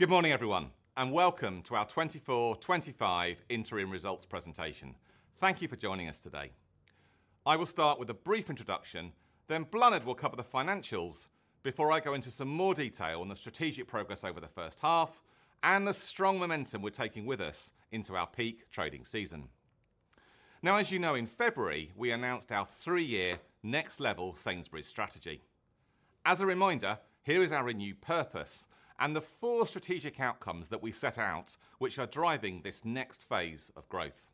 Good morning, everyone, and welcome to our 2024/2025 Interim Results Presentation. Thank you for joining us today. I will start with a brief introduction, then Bláthnaid will cover the financials before I go into some more detail on the strategic progress over the first half and the strong momentum we're taking with us into our peak trading season. Now, as you know, in February, we announced our three-year Next Level Sainsbury's strategy. As a reminder, here is our renewed purpose and the four strategic outcomes that we set out, which are driving this next phase of growth.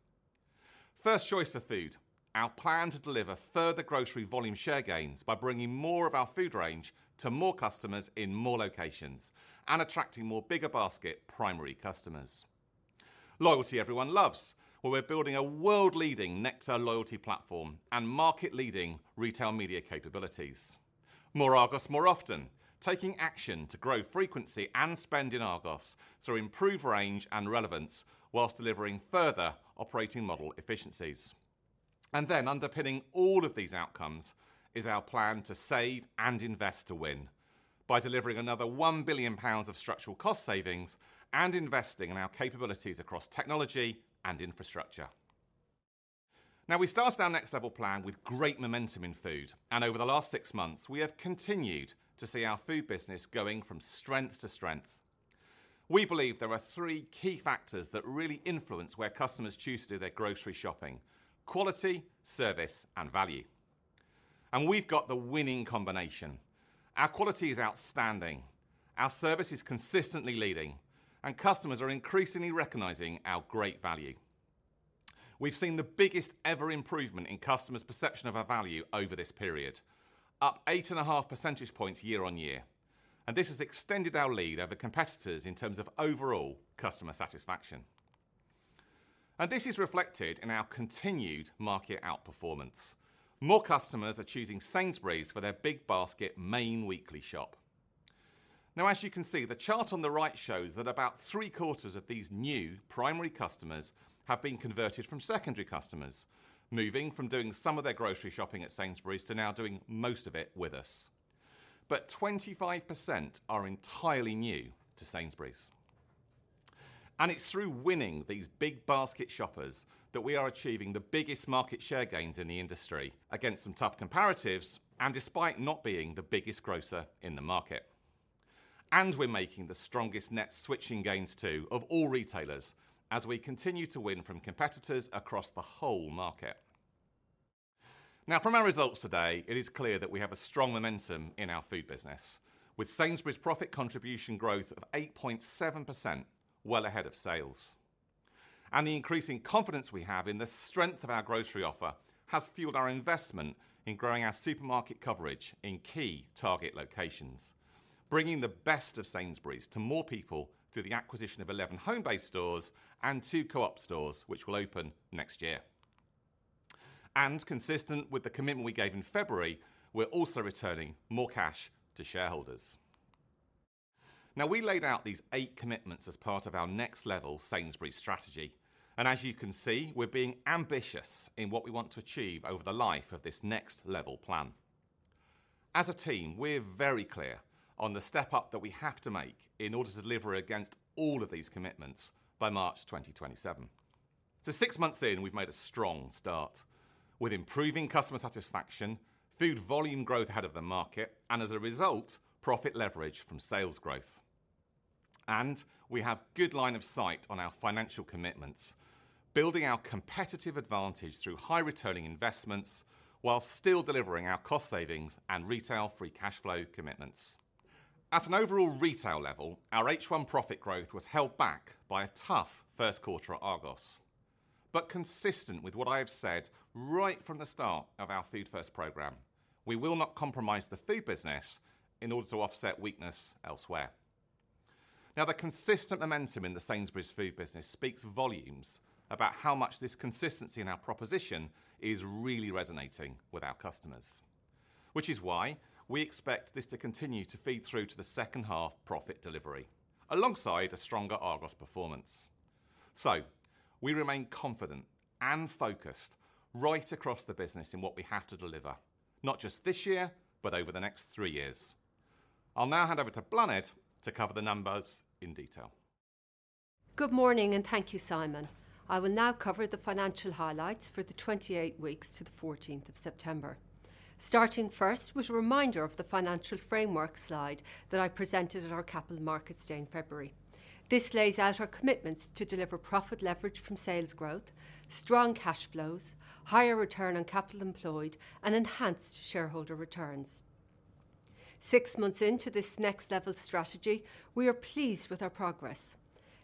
First choice for food, our plan to deliver further grocery volume share gains by bringing more of our food range to more customers in more locations and attracting more bigger basket primary customers. Loyalty, everyone loves, where we're building a world-leading Nectar loyalty platform and market-leading retail media capabilities. More Argos more often, taking action to grow frequency and spend in Argos through improved range and relevance whilst delivering further operating model efficiencies. And then, underpinning all of these outcomes is our plan to Save and invest to win by delivering another 1 billion pounds of structural cost savings and investing in our capabilities across technology and infrastructure. Now, we started our Next Level plan with great momentum in food, and over the last six months, we have continued to see our food business going from strength to strength. We believe there are three key factors that really influence where customers choose to do their grocery shopping, quality, service, and value. And we've got the winning combination. Our quality is outstanding, our service is consistently leading, and customers are increasingly recognizing our great value. We've seen the biggest ever improvement in customers' perception of our value over this period, up 8.5 percentage points year-on-year. And this has extended our lead over competitors in terms of overall customer satisfaction. And this is reflected in our continued market outperformance. More customers are choosing Sainsbury's for their big basket main weekly shop. Now, as you can see, the chart on the right shows that about three-quarters of these new primary customers have been converted from secondary customers, moving from doing some of their grocery shopping at Sainsbury's to now doing most of it with us. But 25% are entirely new to Sainsbury's. And it's through winning these big basket shoppers that we are achieving the biggest market share gains in the industry against some tough comparatives and despite not being the biggest grocer in the market. We're making the strongest net switching gains too of all retailers as we continue to win from competitors across the whole market. Now, from our results today, it is clear that we have a strong momentum in our food business, with Sainsbury's profit contribution growth of 8.7% well ahead of sales. The increasing confidence we have in the strength of our grocery offer has fueled our investment in growing our supermarket coverage in key target locations, bringing the best of Sainsbury's to more people through the acquisition of 11 Homebase stores and two Co-op stores, which will open next year. Consistent with the commitment we gave in February, we're also returning more cash to shareholders. Now, we laid out these eight commitments as part of our Next Level Sainsbury's strategy. As you can see, we're being ambitious in what we want to achieve over the life of this Next Level plan. As a team, we're very clear on the step up that we have to make in order to deliver against all of these commitments by March 2027. Six months in, we've made a strong start with improving customer satisfaction, food volume growth ahead of the market, and as a result, profit leverage from sales growth. We have a good line of sight on our financial commitments, building our competitive advantage through high-returning investments while still delivering our cost savings and retail free cash flow commitments. At an overall retail level, our H1 profit growth was held back by a tough first quarter at Argos. But consistent with what I have said right from the start of our Food First program, we will not compromise the food business in order to offset weakness elsewhere. Now, the consistent momentum in the Sainsbury's food business speaks volumes about how much this consistency in our proposition is really resonating with our customers, which is why we expect this to continue to feed through to the second half profit delivery alongside a stronger Argos performance. So, we remain confident and focused right across the business in what we have to deliver, not just this year, but over the next three years. I'll now hand over to Bláthnaid to cover the numbers in detail. Good morning, and thank you, Simon. I will now cover the financial highlights for the 28 weeks to the 14th of September. Starting first with a reminder of the financial framework slide that I presented at our capital markets day in February. This lays out our commitments to deliver profit leverage from sales growth, strong cash flows, higher return on capital employed, and enhanced shareholder returns. Six months into this Next Level strategy, we are pleased with our progress.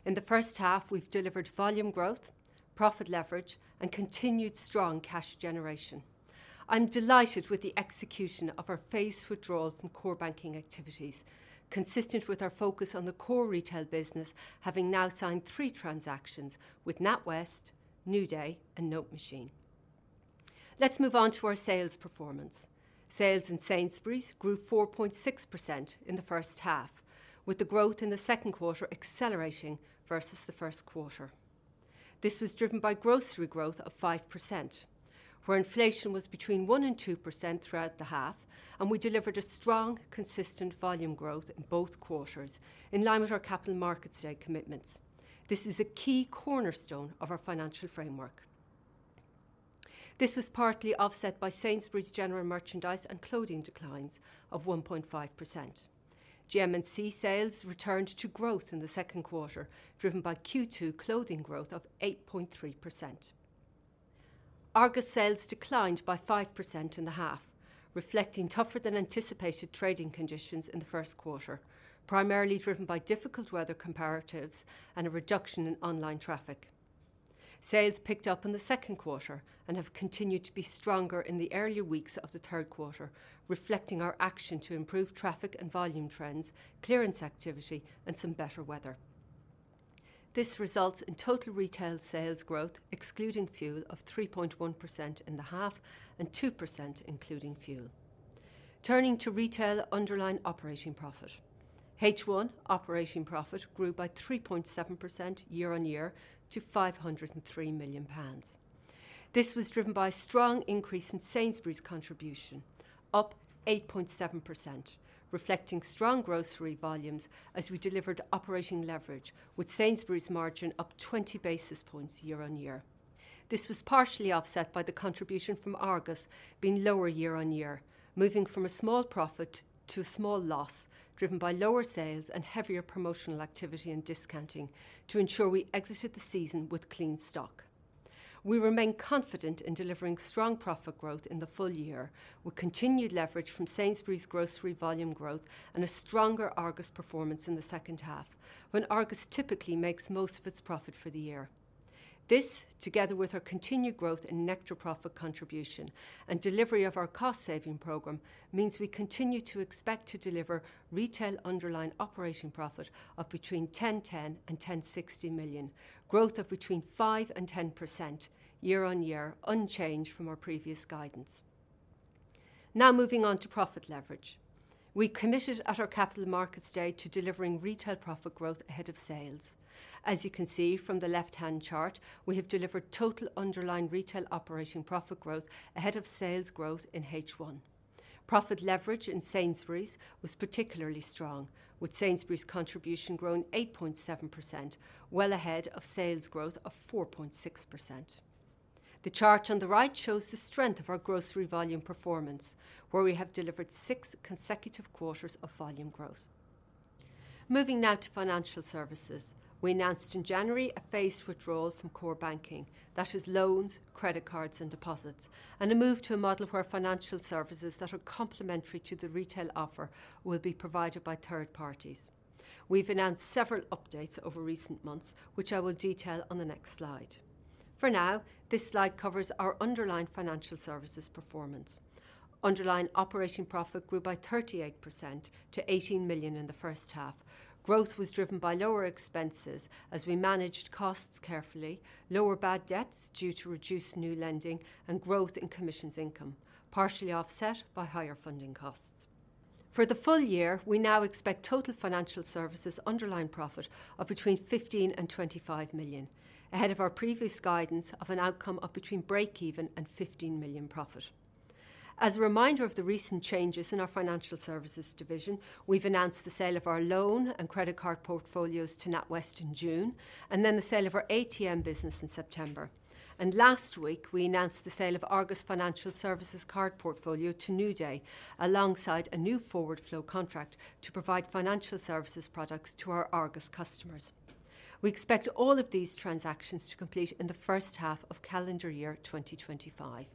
In the first half, we've delivered volume growth, profit leverage, and continued strong cash generation. I'm delighted with the execution of our phased withdrawal from core banking activities, consistent with our focus on the core retail business, having now signed three transactions with NatWest, NewDay, and NoteMachine. Let's move on to our sales performance. Sales in Sainsbury's grew 4.6% in the first half, with the growth in the second quarter accelerating versus the first quarter. This was driven by grocery growth of 5%, where inflation was between 1% and 2% throughout the half, and we delivered a strong, consistent volume growth in both quarters in line with our Capital Markets Day commitments. This is a key cornerstone of our financial framework. This was partly offset by Sainsbury's general merchandise and clothing declines of 1.5%. GM&C sales returned to growth in the second quarter, driven by Q2 clothing growth of 8.3%. Argos sales declined by 5% in the half, reflecting tougher than anticipated trading conditions in the first quarter, primarily driven by difficult weather comparatives and a reduction in online traffic. Sales picked up in the second quarter and have continued to be stronger in the earlier weeks of the third quarter, reflecting our action to improve traffic and volume trends, clearance activity, and some better weather. This results in total retail sales growth, excluding fuel, of 3.1% in the half and 2% including fuel. Turning to retail underlying operating profit, H1 operating profit grew by 3.7% year-on-year to 503 million pounds. This was driven by a strong increase in Sainsbury's contribution, up 8.7%, reflecting strong grocery volumes as we delivered operating leverage, with Sainsbury's margin up 20 basis points year-on-year. This was partially offset by the contribution from Argos being lower year-on-year, moving from a small profit to a small loss driven by lower sales and heavier promotional activity and discounting to ensure we exited the season with clean stock. We remain confident in delivering strong profit growth in the full year with continued leverage from Sainsbury's grocery volume growth and a stronger Argos performance in the second half, when Argos typically makes most of its profit for the year. This, together with our continued growth in net profit contribution and delivery of our cost saving program, means we continue to expect to deliver retail underlying operating profit of between 1,010 million and 1,060 million, growth of between 5% and 10% year-on-year, unchanged from our previous guidance. Now, moving on to profit leverage. We committed at our Capital Markets Day to delivering retail profit growth ahead of sales. As you can see from the left-hand chart, we have delivered total underlying retail operating profit growth ahead of sales growth in H1. Profit leverage in Sainsbury's was particularly strong, with Sainsbury's contribution growing 8.7%, well ahead of sales growth of 4.6%. The chart on the right shows the strength of our grocery volume performance, where we have delivered six consecutive quarters of volume growth. Moving now to financial services, we announced in January a phased withdrawal from core banking, that is, loans, credit cards, and deposits, and a move to a model where financial services that are complementary to the retail offer will be provided by third parties. We've announced several updates over recent months, which I will detail on the next slide. For now, this slide covers our underlying financial services performance. Underlying operating profit grew by 38% to 18 million in the first half. Growth was driven by lower expenses as we managed costs carefully, lower bad debts due to reduced new lending, and growth in commissions income, partially offset by higher funding costs. For the full year, we now expect total financial services underlying profit of between 15 million and 25 million, ahead of our previous guidance of an outcome of between break-even and 15 million profit. As a reminder of the recent changes in our financial services division, we've announced the sale of our loan and credit card portfolios to NatWest in June and then the sale of our ATM business in September, and last week, we announced the sale of Argos Financial Services card portfolio to NewDay, alongside a new forward flow contract to provide financial services products to our Argos customers. We expect all of these transactions to complete in the first half of calendar year 2025.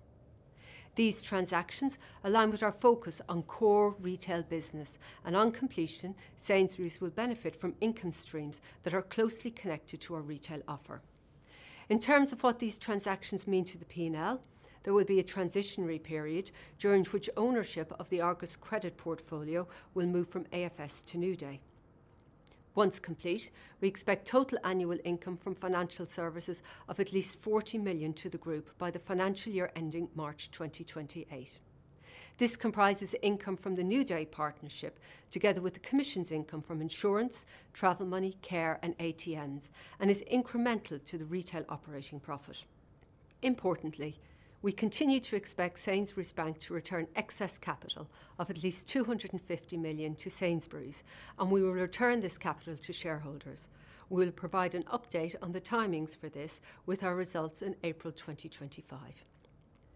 These transactions align with our focus on core retail business, and on completion, Sainsbury's will benefit from income streams that are closely connected to our retail offer. In terms of what these transactions mean to the P&L, there will be a transitionary period during which ownership of the Argos credit portfolio will move from AFS to NewDay. Once complete, we expect total annual income from financial services of at least 40 million to the group by the financial year ending March 2028. This comprises income from the NewDay partnership together with the commissions income from insurance, travel money, care, and ATMs, and is incremental to the retail operating profit. Importantly, we continue to expect Sainsbury's Bank to return excess capital of at least 250 million to Sainsbury's, and we will return this capital to shareholders. We will provide an update on the timings for this with our results in April 2025.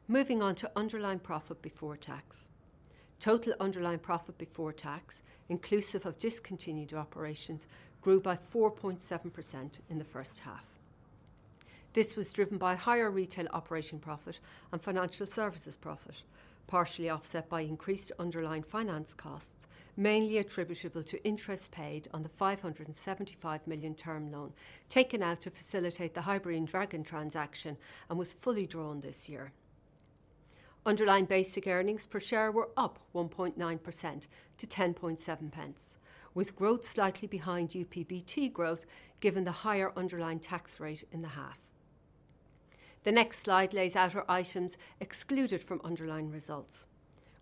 Moving on to underlying profit before tax. Total underlying profit before tax, inclusive of discontinued operations, grew by 4.7% in the first half. This was driven by higher retail operating profit and financial services profit, partially offset by increased underlying finance costs, mainly attributable to interest paid on the 575 million term loan taken out to facilitate the Highbury and Dragon transaction, and was fully drawn this year. Underlying basic earnings per share were up 1.9% to 0.107, with growth slightly behind UPBT growth given the higher underlying tax rate in the half. The next slide lays out our items excluded from underlying results.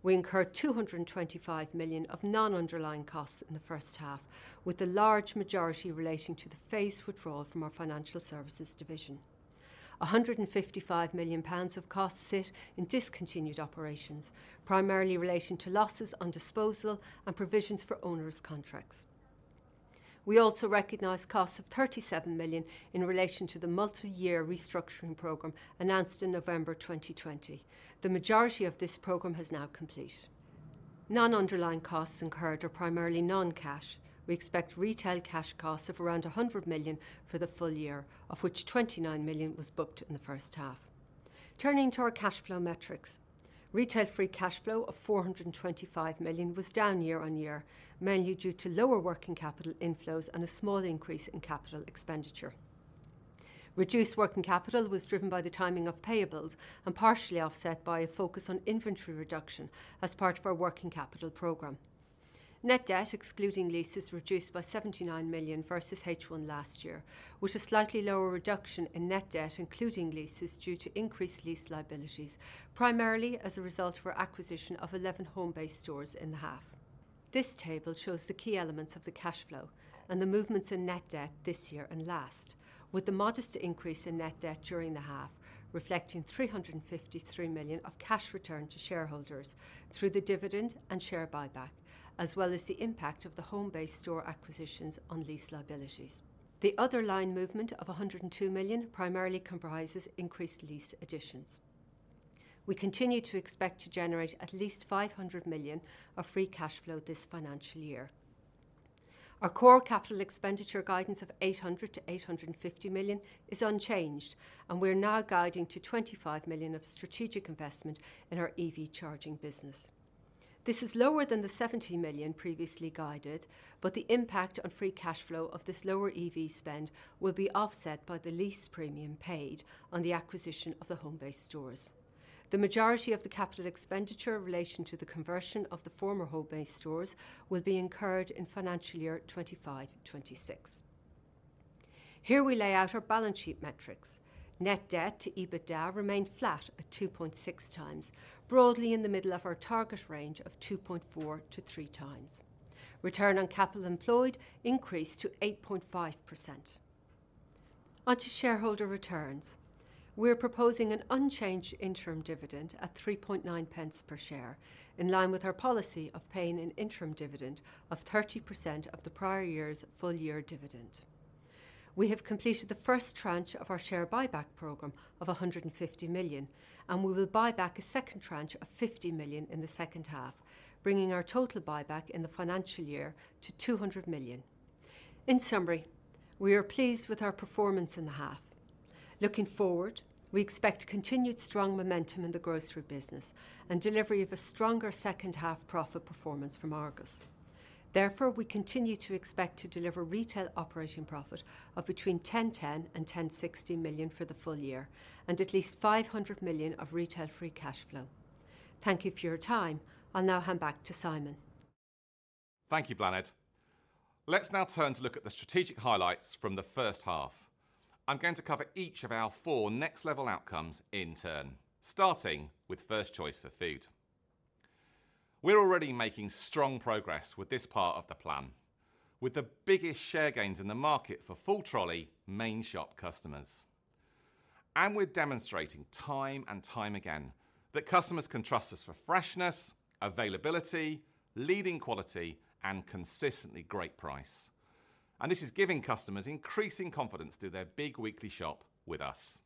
We incurred 225 million of non-underlying costs in the first half, with the large majority relating to the phased withdrawal from our financial services division. 155 million pounds of costs sit in discontinued operations, primarily relating to losses on disposal and provisions for onerous contracts. We also recognize costs of 37 million in relation to the multi-year restructuring program announced in November 2020. The majority of this program has now completed. Non-underlying costs incurred are primarily non-cash. We expect retail cash costs of around 100 million for the full year, of which 29 million was booked in the first half. Turning to our cash flow metrics, retail free cash flow of 425 million was down year-on-year, mainly due to lower working capital inflows and a small increase in capital expenditure. Reduced working capital was driven by the timing of payables and partially offset by a focus on inventory reduction as part of our working capital program. Net debt, excluding leases, reduced by 79 million versus H1 last year, with a slightly lower reduction in net debt, including leases, due to increased lease liabilities, primarily as a result of our acquisition of 11 Homebase stores in the half. This table shows the key elements of the cash flow and the movements in net debt this year and last, with the modest increase in net debt during the half reflecting 353 million of cash return to shareholders through the dividend and share buyback, as well as the impact of the Homebase store acquisitions on lease liabilities. The other line movement of 102 million primarily comprises increased lease additions. We continue to expect to generate at least 500 million of free cash flow this financial year. Our core capital expenditure guidance of 800 million-850 million is unchanged, and we are now guiding to 25 million of strategic investment in our EV charging business. This is lower than the 70 million previously guided, but the impact on free cash flow of this lower EV spend will be offset by the lease premium paid on the acquisition of the Homebase stores. The majority of the capital expenditure relating to the conversion of the former Homebase stores will be incurred in financial year 2025-2026. Here we lay out our balance sheet metrics. Net debt to EBITDA remained flat at 2.6x, broadly in the middle of our target range of 2.4-3x. Return on capital employed increased to 8.5%. Onto shareholder returns. We are proposing an unchanged interim dividend at 0.039 per share, in line with our policy of paying an interim dividend of 30% of the prior year's full-year dividend. We have completed the first tranche of our share buyback program of 150 million, and we will buy back a second tranche of 50 million in the second half, bringing our total buyback in the financial year to 200 million. In summary, we are pleased with our performance in the half. Looking forward, we expect continued strong momentum in the grocery business and delivery of a stronger second-half profit performance from Argos. Therefore, we continue to expect to deliver retail operating profit of between 1,010 million and 1,060 million for the full year and at least 500 million of retail free cash flow. Thank you for your time. I'll now hand back to Simon. Thank you, Bláthnaid. Let's now turn to look at the strategic highlights from the first half. I'm going to cover each of our four Next Level outcomes in turn, starting with First Choice for Food. We're already making strong progress with this part of the plan, with the biggest share gains in the market for full trolley main shop customers. And we're demonstrating time and time again that customers can trust us for freshness, availability, leading quality, and consistently great price. And this is giving customers increasing confidence to do their big weekly shop with us.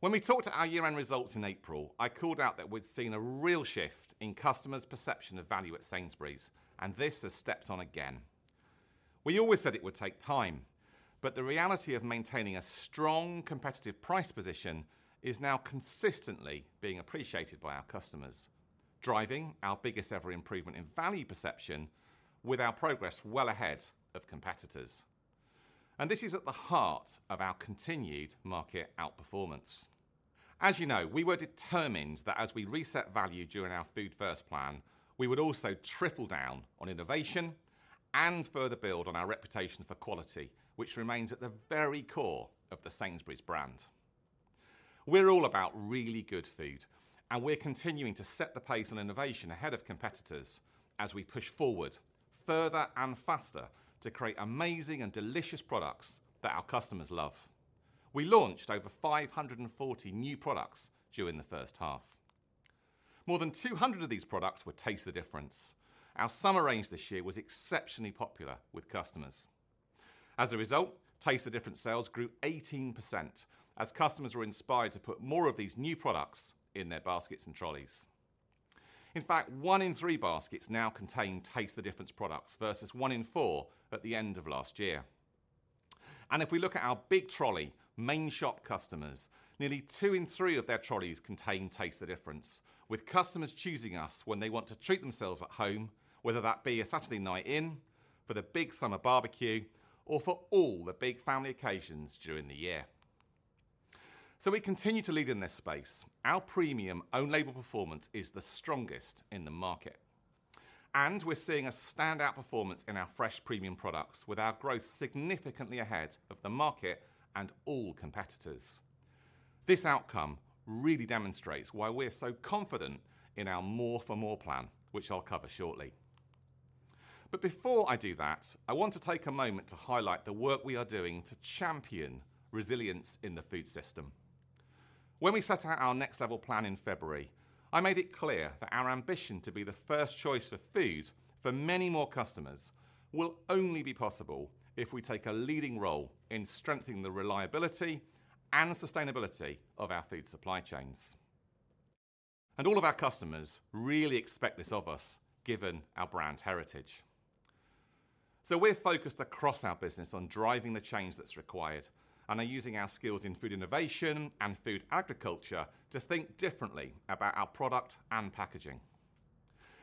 When we talked at our year-end results in April, I called out that we'd seen a real shift in customers' perception of value at Sainsbury's, and this has stepped up again. We always said it would take time, but the reality of maintaining a strong competitive price position is now consistently being appreciated by our customers, driving our biggest ever improvement in value perception with our progress well ahead of competitors. And this is at the heart of our continued market outperformance. As you know, we were determined that as we reset value during our Food First plan, we would also triple down on innovation and further build on our reputation for quality, which remains at the very core of the Sainsbury's brand. We're all about really good food, and we're continuing to set the pace on innovation ahead of competitors as we push forward further and faster to create amazing and delicious products that our customers love. We launched over 540 new products during the first half. More than 200 of these products were Taste the Difference. Our summer range this year was exceptionally popular with customers. As a result, Taste the Difference sales grew 18% as customers were inspired to put more of these new products in their baskets and trolleys. In fact, one in three baskets now contained Taste the Difference products versus one in four at the end of last year, and if we look at our big trolley main shop customers, nearly two in three of their trolleys contain Taste the Difference, with customers choosing us when they want to treat themselves at home, whether that be a Saturday night in, for the big summer barbecue, or for all the big family occasions during the year, so we continue to lead in this space. Our premium own-label performance is the strongest in the market. We're seeing a standout performance in our fresh premium products, with our growth significantly ahead of the market and all competitors. This outcome really demonstrates why we're so confident in our more for more plan, which I'll cover shortly. Before I do that, I want to take a moment to highlight the work we are doing to champion resilience in the food system. When we set out our Next Level plan in February, I made it clear that our ambition to be the First Choice for Food for many more customers will only be possible if we take a leading role in strengthening the reliability and sustainability of our food supply chains. All of our customers really expect this of us, given our brand heritage. So we're focused across our business on driving the change that's required and are using our skills in food innovation and food agriculture to think differently about our product and packaging.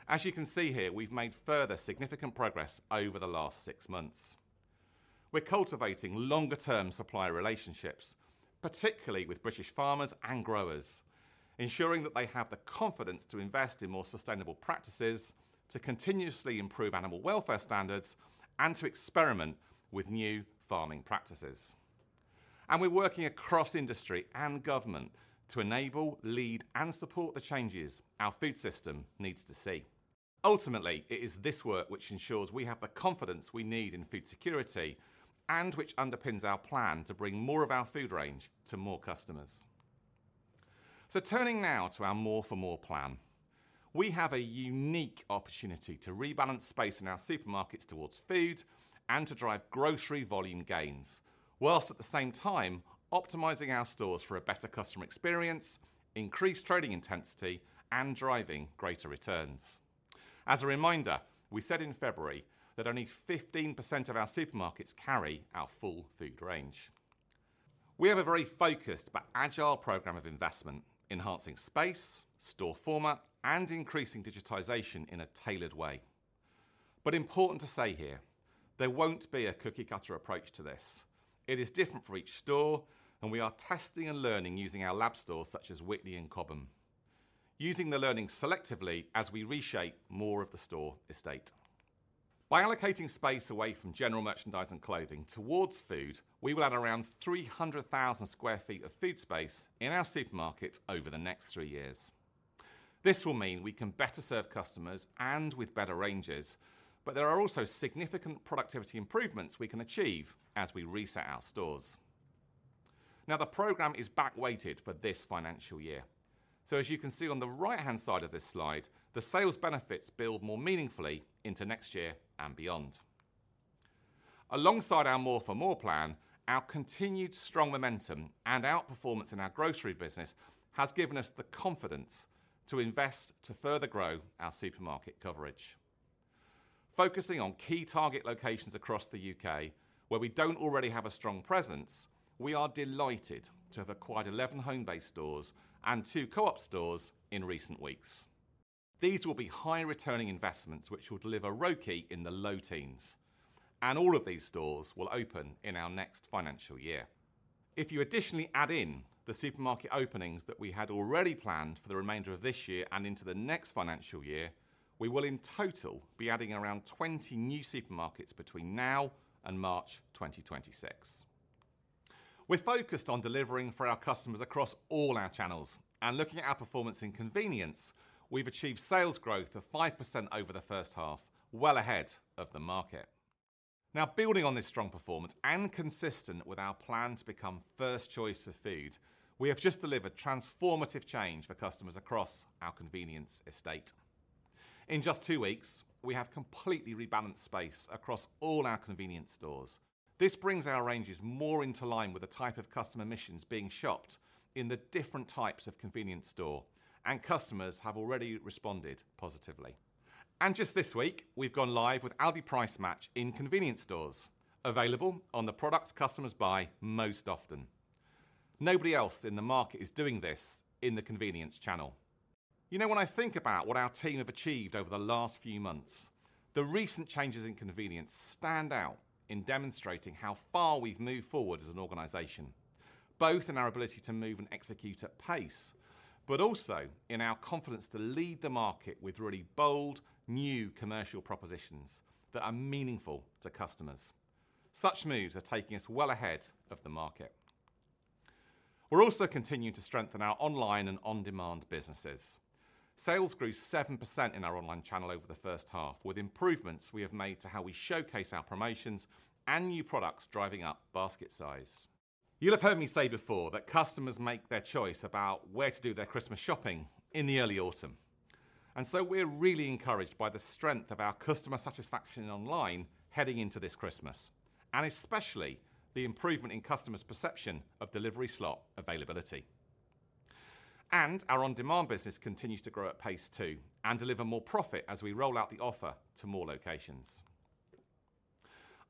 As you can see here, we've made further significant progress over the last six months. We're cultivating longer-term supplier relationships, particularly with British farmers and growers, ensuring that they have the confidence to invest in more sustainable practices, to continuously improve animal welfare standards, and to experiment with new farming practices. And we're working across industry and government to enable, lead, and support the changes our food system needs to see. Ultimately, it is this work which ensures we have the confidence we need in food security and which underpins our plan to bring more of our food range to more customers. So turning now to our more for more plan, we have a unique opportunity to rebalance space in our supermarkets towards food and to drive grocery volume gains, whilst at the same time optimizing our stores for a better customer experience, increased trading intensity, and driving greater returns. As a reminder, we said in February that only 15% of our supermarkets carry our full food range. We have a very focused but agile program of investment, enhancing space, store format, and increasing digitization in a tailored way. But important to say here, there won't be a cookie-cutter approach to this. It is different for each store, and we are testing and learning using our lab stores such as Witney and Cobham, using the learning selectively as we reshape more of the store estate. By allocating space away from general merchandise and clothing towards food, we will add around 300,000 sq ft of food space in our supermarkets over the next three years. This will mean we can better serve customers and with better ranges, but there are also significant productivity improvements we can achieve as we reset our stores. Now, the program is back-weighted for this financial year. So, as you can see on the right-hand side of this slide, the sales benefits build more meaningfully into next year and beyond. Alongside our more for more plan, our continued strong momentum and outperformance in our grocery business has given us the confidence to invest to further grow our supermarket coverage. Focusing on key target locations across the U.K., where we don't already have a strong presence, we are delighted to have acquired 11 Homebase stores and two Co-op stores in recent weeks. These will be high-returning investments which will deliver ROCE in the low teens, and all of these stores will open in our next financial year. If you additionally add in the supermarket openings that we had already planned for the remainder of this year and into the next financial year, we will in total be adding around 20 new supermarkets between now and March 2026. We're focused on delivering for our customers across all our channels, and looking at our performance in convenience, we've achieved sales growth of 5% over the first half, well ahead of the market. Now, building on this strong performance and consistent with our plan to become First Choice for Food, we have just delivered transformative change for customers across our convenience estate. In just two weeks, we have completely rebalanced space across all our convenience stores. This brings our ranges more into line with the type of customer missions being shopped in the different types of convenience store, and customers have already responded positively. And just this week, we've gone live with Aldi Price Match in convenience stores, available on the products customers buy most often. Nobody else in the market is doing this in the convenience channel. You know, when I think about what our team have achieved over the last few months, the recent changes in convenience stand out in demonstrating how far we've moved forward as an organization, both in our ability to move and execute at pace, but also in our confidence to lead the market with really bold new commercial propositions that are meaningful to customers. Such moves are taking us well ahead of the market. We're also continuing to strengthen our online and on-demand businesses. Sales grew 7% in our online channel over the first half, with improvements we have made to how we showcase our promotions and new products driving up basket size. You'll have heard me say before that customers make their choice about where to do their Christmas shopping in the early autumn. And so we're really encouraged by the strength of our customer satisfaction online heading into this Christmas, and especially the improvement in customers' perception of delivery slot availability. And our on-demand business continues to grow at pace too and deliver more profit as we roll out the offer to more locations.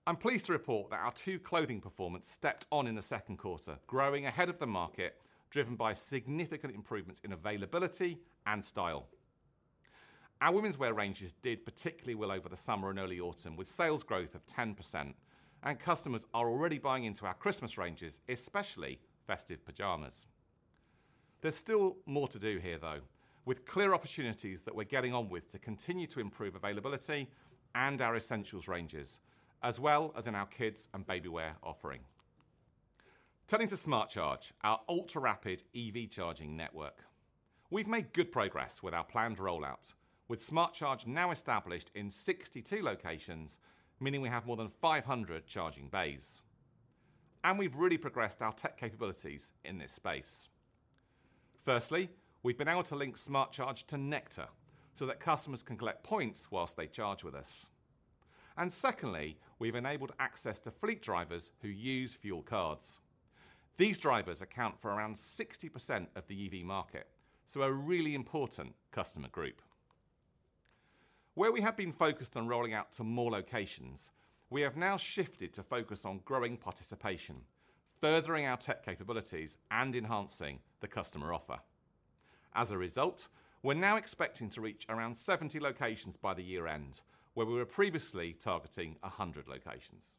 I'm pleased to report that our Tu clothing performance stepped up in the second quarter, growing ahead of the market, driven by significant improvements in availability and style. Our women's wear ranges did particularly well over the summer and early autumn, with sales growth of 10%, and customers are already buying into our Christmas ranges, especially festive pajamas. There's still more to do here, though, with clear opportunities that we're getting on with to continue to improve availability and our essentials ranges, as well as in our kids' and baby wear offering. Turning to Smart Charge, our ultra-rapid EV charging network. We've made good progress with our planned rollout, with Smart Charge now established in 62 locations, meaning we have more than 500 charging bays. And we've really progressed our tech capabilities in this space. Firstly, we've been able to link Smart Charge to Nectar so that customers can collect points whilst they charge with us. And secondly, we've enabled access to fleet drivers who use fuel cards. These drivers account for around 60% of the EV market, so a really important customer group. Where we have been focused on rolling out to more locations, we have now shifted to focus on growing participation, furthering our tech capabilities, and enhancing the customer offer. As a result, we're now expecting to reach around 70 locations by the year-end, where we were previously targeting 100 locations.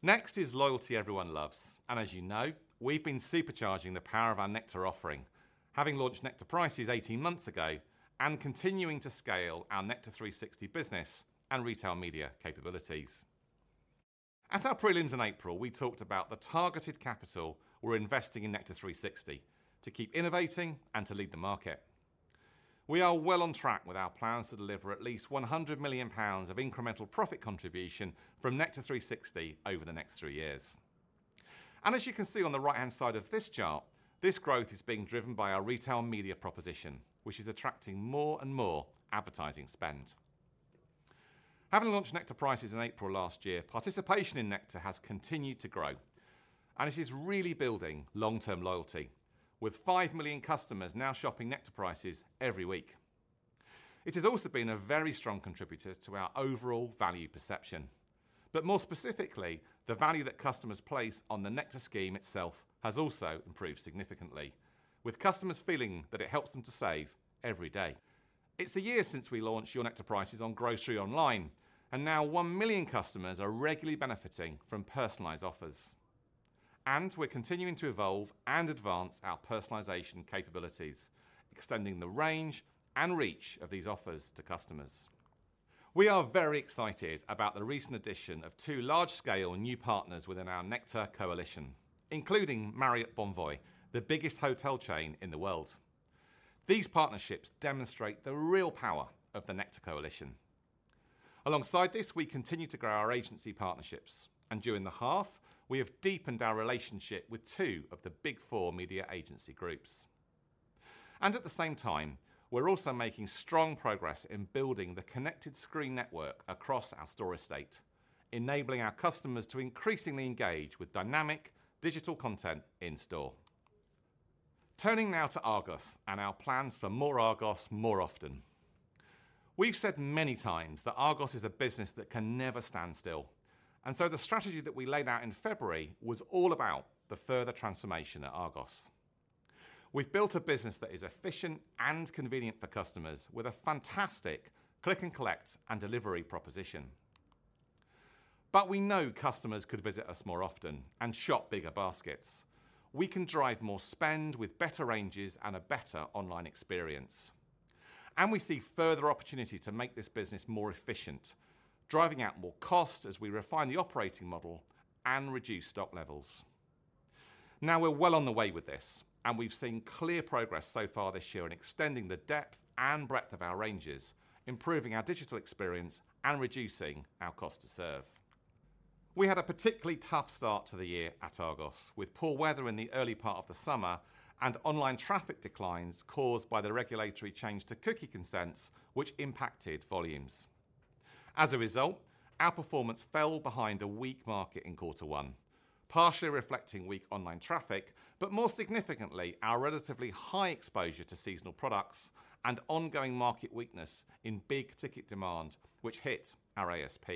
Next is loyalty everyone loves. And as you know, we've been supercharging the power of our Nectar offering, having launched Nectar Prices 18 months ago and continuing to scale our Nectar 360 business and retail media capabilities. At our prelims in April, we talked about the targeted capital we're investing in Nectar 360 to keep innovating and to lead the market. We are well on track with our plans to deliver at least 100 million pounds of incremental profit contribution from Nectar 360 over the next three years. As you can see on the right-hand side of this chart, this growth is being driven by our retail media proposition, which is attracting more and more advertising spend. Having launched Nectar Prices in April last year, participation in Nectar has continued to grow, and it is really building long-term loyalty, with 5 million customers now shopping Nectar Prices every week. It has also been a very strong contributor to our overall value perception. More specifically, the value that customers place on the Nectar scheme itself has also improved significantly, with customers feeling that it helps them to save every day. It's a year since we launched Your Nectar Prices on grocery online, and now 1 million customers are regularly benefiting from personalized offers, and we're continuing to evolve and advance our personalization capabilities, extending the range and reach of these offers to customers. We are very excited about the recent addition of two large-scale new partners within our Nectar coalition, including Marriott Bonvoy, the biggest hotel chain in the world. These partnerships demonstrate the real power of the Nectar coalition. Alongside this, we continue to grow our agency partnerships, and during the half, we have deepened our relationship with two of the big four media agency groups, and at the same time, we're also making strong progress in building the connected screen network across our store estate, enabling our customers to increasingly engage with dynamic digital content in store. Turning now to Argos and our plans for more Argos more often. We've said many times that Argos is a business that can never stand still, and so the strategy that we laid out in February was all about the further transformation at Argos. We've built a business that is efficient and convenient for customers, with a fantastic click-and-collect and delivery proposition. But we know customers could visit us more often and shop bigger baskets. We can drive more spend with better ranges and a better online experience. And we see further opportunity to make this business more efficient, driving out more cost as we refine the operating model and reduce stock levels. Now we're well on the way with this, and we've seen clear progress so far this year in extending the depth and breadth of our ranges, improving our digital experience, and reducing our cost to serve. We had a particularly tough start to the year at Argos, with poor weather in the early part of the summer and online traffic declines caused by the regulatory change to cookie consents, which impacted volumes. As a result, our performance fell behind a weak market in quarter one, partially reflecting weak online traffic, but more significantly, our relatively high exposure to seasonal products and ongoing market weakness in big ticket demand, which hit our ASP.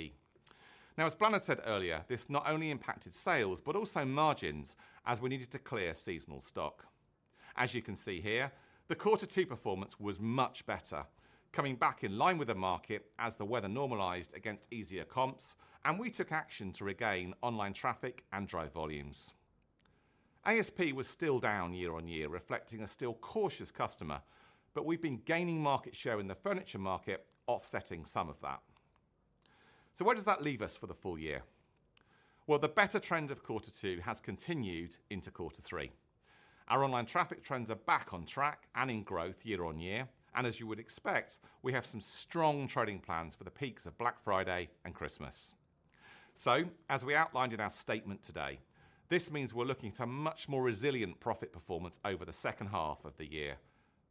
Now, as Bláthnaid said earlier, this not only impacted sales, but also margins, as we needed to clear seasonal stock. As you can see here, the quarter two performance was much better, coming back in line with the market as the weather normalized against easier comps, and we took action to regain online traffic and drive volumes. ASP was still down year-on-year, reflecting a still cautious customer, but we've been gaining market share in the furniture market, offsetting some of that. So where does that leave us for the full year? Well, the better trend of quarter two has continued into quarter three. Our online traffic trends are back on track and in growth year-on-year, and as you would expect, we have some strong trading plans for the peaks of Black Friday and Christmas. So, as we outlined in our statement today, this means we're looking at a much more resilient profit performance over the second half of the year,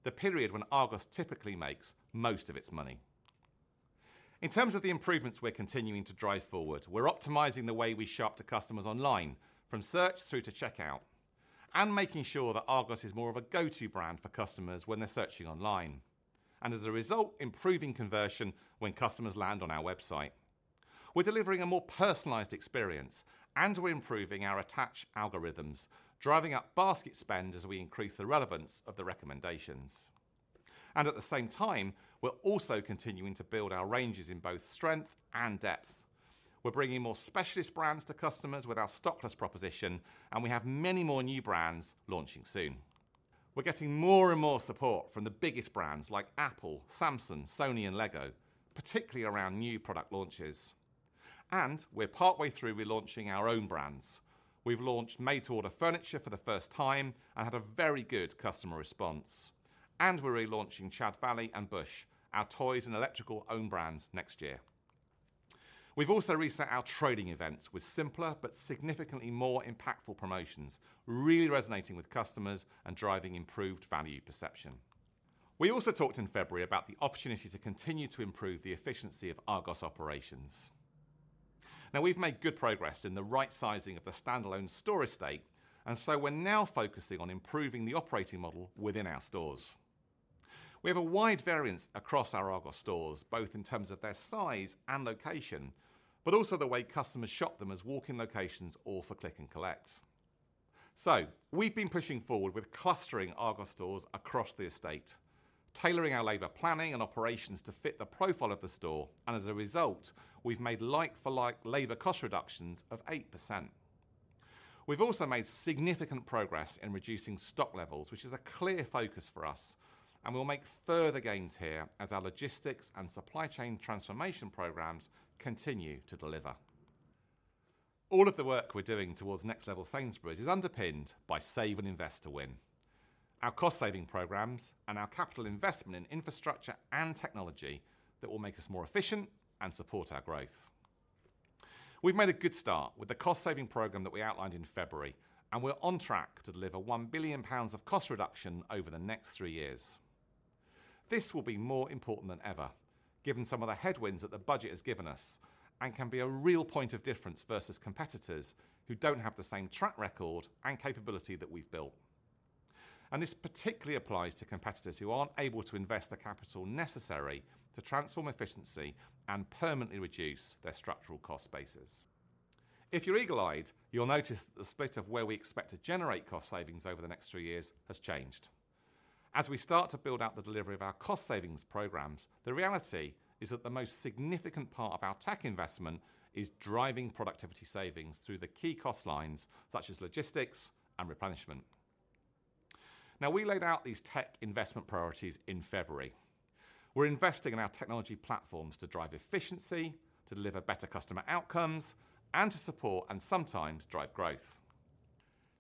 the period when Argos typically makes most of its money. In terms of the improvements we're continuing to drive forward, we're optimizing the way we shop to customers online, from search through to checkout, and making sure that Argos is more of a go-to brand for customers when they're searching online, and as a result, improving conversion when customers land on our website. We're delivering a more personalized experience, and we're improving our attach algorithms, driving up basket spend as we increase the relevance of the recommendations, and at the same time, we're also continuing to build our ranges in both strength and depth. We're bringing more specialist brands to customers with our stockless proposition, and we have many more new brands launching soon. We're getting more and more support from the biggest brands like Apple, Samsung, Sony, and Lego, particularly around new product launches, and we're partway through relaunching our own brands. We've launched made-to-order furniture for the first time and had a very good customer response, and we're relaunching Chad Valley and Bush, our toys and electrical own brands, next year. We've also reset our trading events with simpler but significantly more impactful promotions, really resonating with customers and driving improved value perception. We also talked in February about the opportunity to continue to improve the efficiency of Argos operations. Now, we've made good progress in the right sizing of the standalone store estate, and so we're now focusing on improving the operating model within our stores. We have a wide variance across our Argos stores, both in terms of their size and location, but also the way customers shop them as walk-in locations or for click-and-collect. We've been pushing forward with clustering Argos stores across the estate, tailoring our labor planning and operations to fit the profile of the store, and as a result, we've made like-for-like labor cost reductions of 8%. We've also made significant progress in reducing stock levels, which is a clear focus for us, and we'll make further gains here as our logistics and supply chain transformation programs continue to deliver. All of the work we're doing towards Next Level Sainsbury's is underpinned by Save and invest to win, our cost-saving programs, and our capital investment in infrastructure and technology that will make us more efficient and support our growth. We've made a good start with the cost-saving program that we outlined in February, and we're on track to deliver 1 billion pounds of cost reduction over the next three years. This will be more important than ever, given some of the headwinds that the budget has given us, and can be a real point of difference versus competitors who don't have the same track record and capability that we've built, and this particularly applies to competitors who aren't able to invest the capital necessary to transform efficiency and permanently reduce their structural cost bases. If you're eagle-eyed, you'll notice that the split of where we expect to generate cost savings over the next three years has changed. As we start to build out the delivery of our cost-savings programs, the reality is that the most significant part of our tech investment is driving productivity savings through the key cost lines, such as logistics and replenishment. Now, we laid out these tech investment priorities in February. We're investing in our technology platforms to drive efficiency, to deliver better customer outcomes, and to support and sometimes drive growth.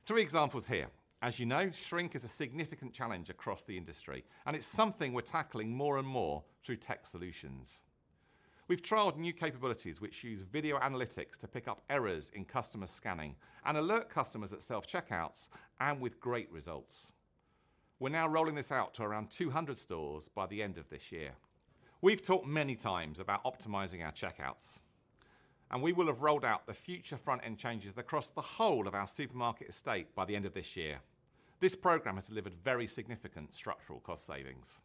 Two examples here. As you know, shrink is a significant challenge across the industry, and it's something we're tackling more and more through tech solutions. We've trialed new capabilities which use video analytics to pick up errors in customer scanning and alert customers at self-checkouts and with great results. We're now rolling this out to around 200 stores by the end of this year. We've talked many times about optimizing our checkouts, and we will have rolled out the future front-end changes across the whole of our supermarket estate by the end of this year. This program has delivered very significant structural cost savings.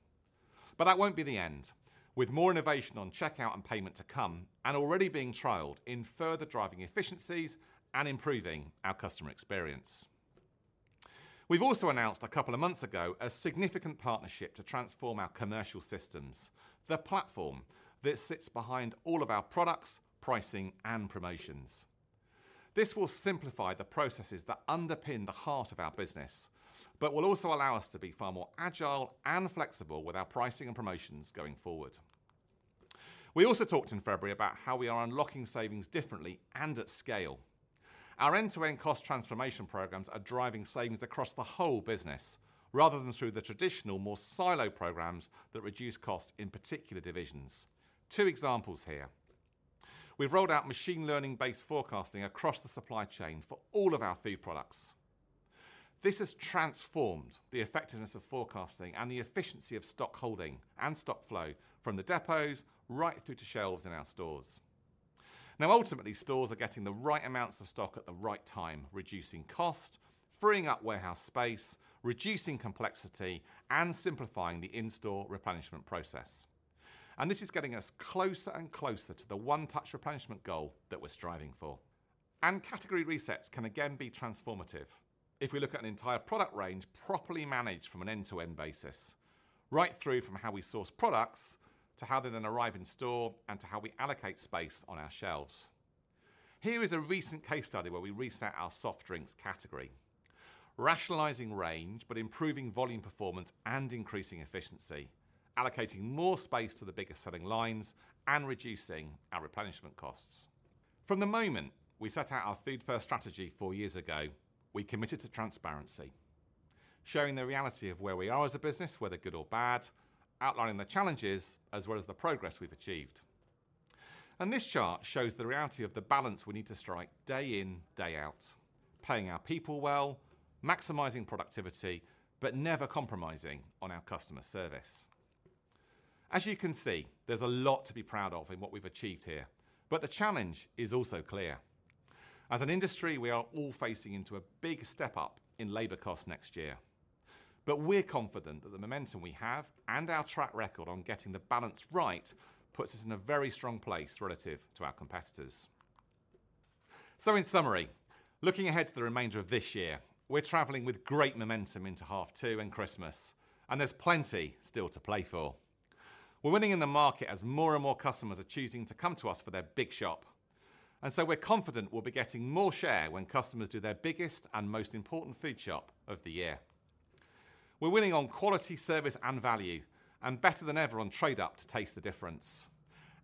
But that won't be the end, with more innovation on checkout and payment to come and already being trialed in further driving efficiencies and improving our customer experience. We've also announced a couple of months ago a significant partnership to transform our commercial systems, the platform that sits behind all of our products, pricing, and promotions. This will simplify the processes that underpin the heart of our business, but will also allow us to be far more agile and flexible with our pricing and promotions going forward. We also talked in February about how we are unlocking savings differently and at scale. Our end-to-end cost transformation programs are driving savings across the whole business rather than through the traditional, more silo programs that reduce costs in particular divisions. Two examples here. We've rolled out machine learning-based forecasting across the supply chain for all of our food products. This has transformed the effectiveness of forecasting and the efficiency of stock holding and stock flow from the depots right through to shelves in our stores. Now, ultimately, stores are getting the right amounts of stock at the right time, reducing cost, freeing up warehouse space, reducing complexity, and simplifying the in-store replenishment process. And this is getting us closer and closer to the one touch replenishment goal that we're striving for. And category resets can again be transformative if we look at an entire product range properly managed from an end-to-end basis, right through from how we source products to how they then arrive in store and to how we allocate space on our shelves. Here is a recent case study where we reset our soft drinks category, rationalizing range, but improving volume performance and increasing efficiency, allocating more space to the bigger selling lines and reducing our replenishment costs. From the moment we set out our Food First strategy four years ago, we committed to transparency, showing the reality of where we are as a business, whether good or bad, outlining the challenges as well as the progress we've achieved, and this chart shows the reality of the balance we need to strike day in, day out, paying our people well, maximizing productivity, but never compromising on our customer service. As you can see, there's a lot to be proud of in what we've achieved here, but the challenge is also clear. As an industry, we are all facing into a big step up in labor costs next year, but we're confident that the momentum we have and our track record on getting the balance right puts us in a very strong place relative to our competitors. So, in summary, looking ahead to the remainder of this year, we're traveling with great momentum into half two and Christmas, and there's plenty still to play for. We're winning in the market as more and more customers are choosing to come to us for their big shop. And so we're confident we'll be getting more share when customers do their biggest and most important food shop of the year. We're winning on quality, service, and value, and better than ever on trade-up to Taste the Difference.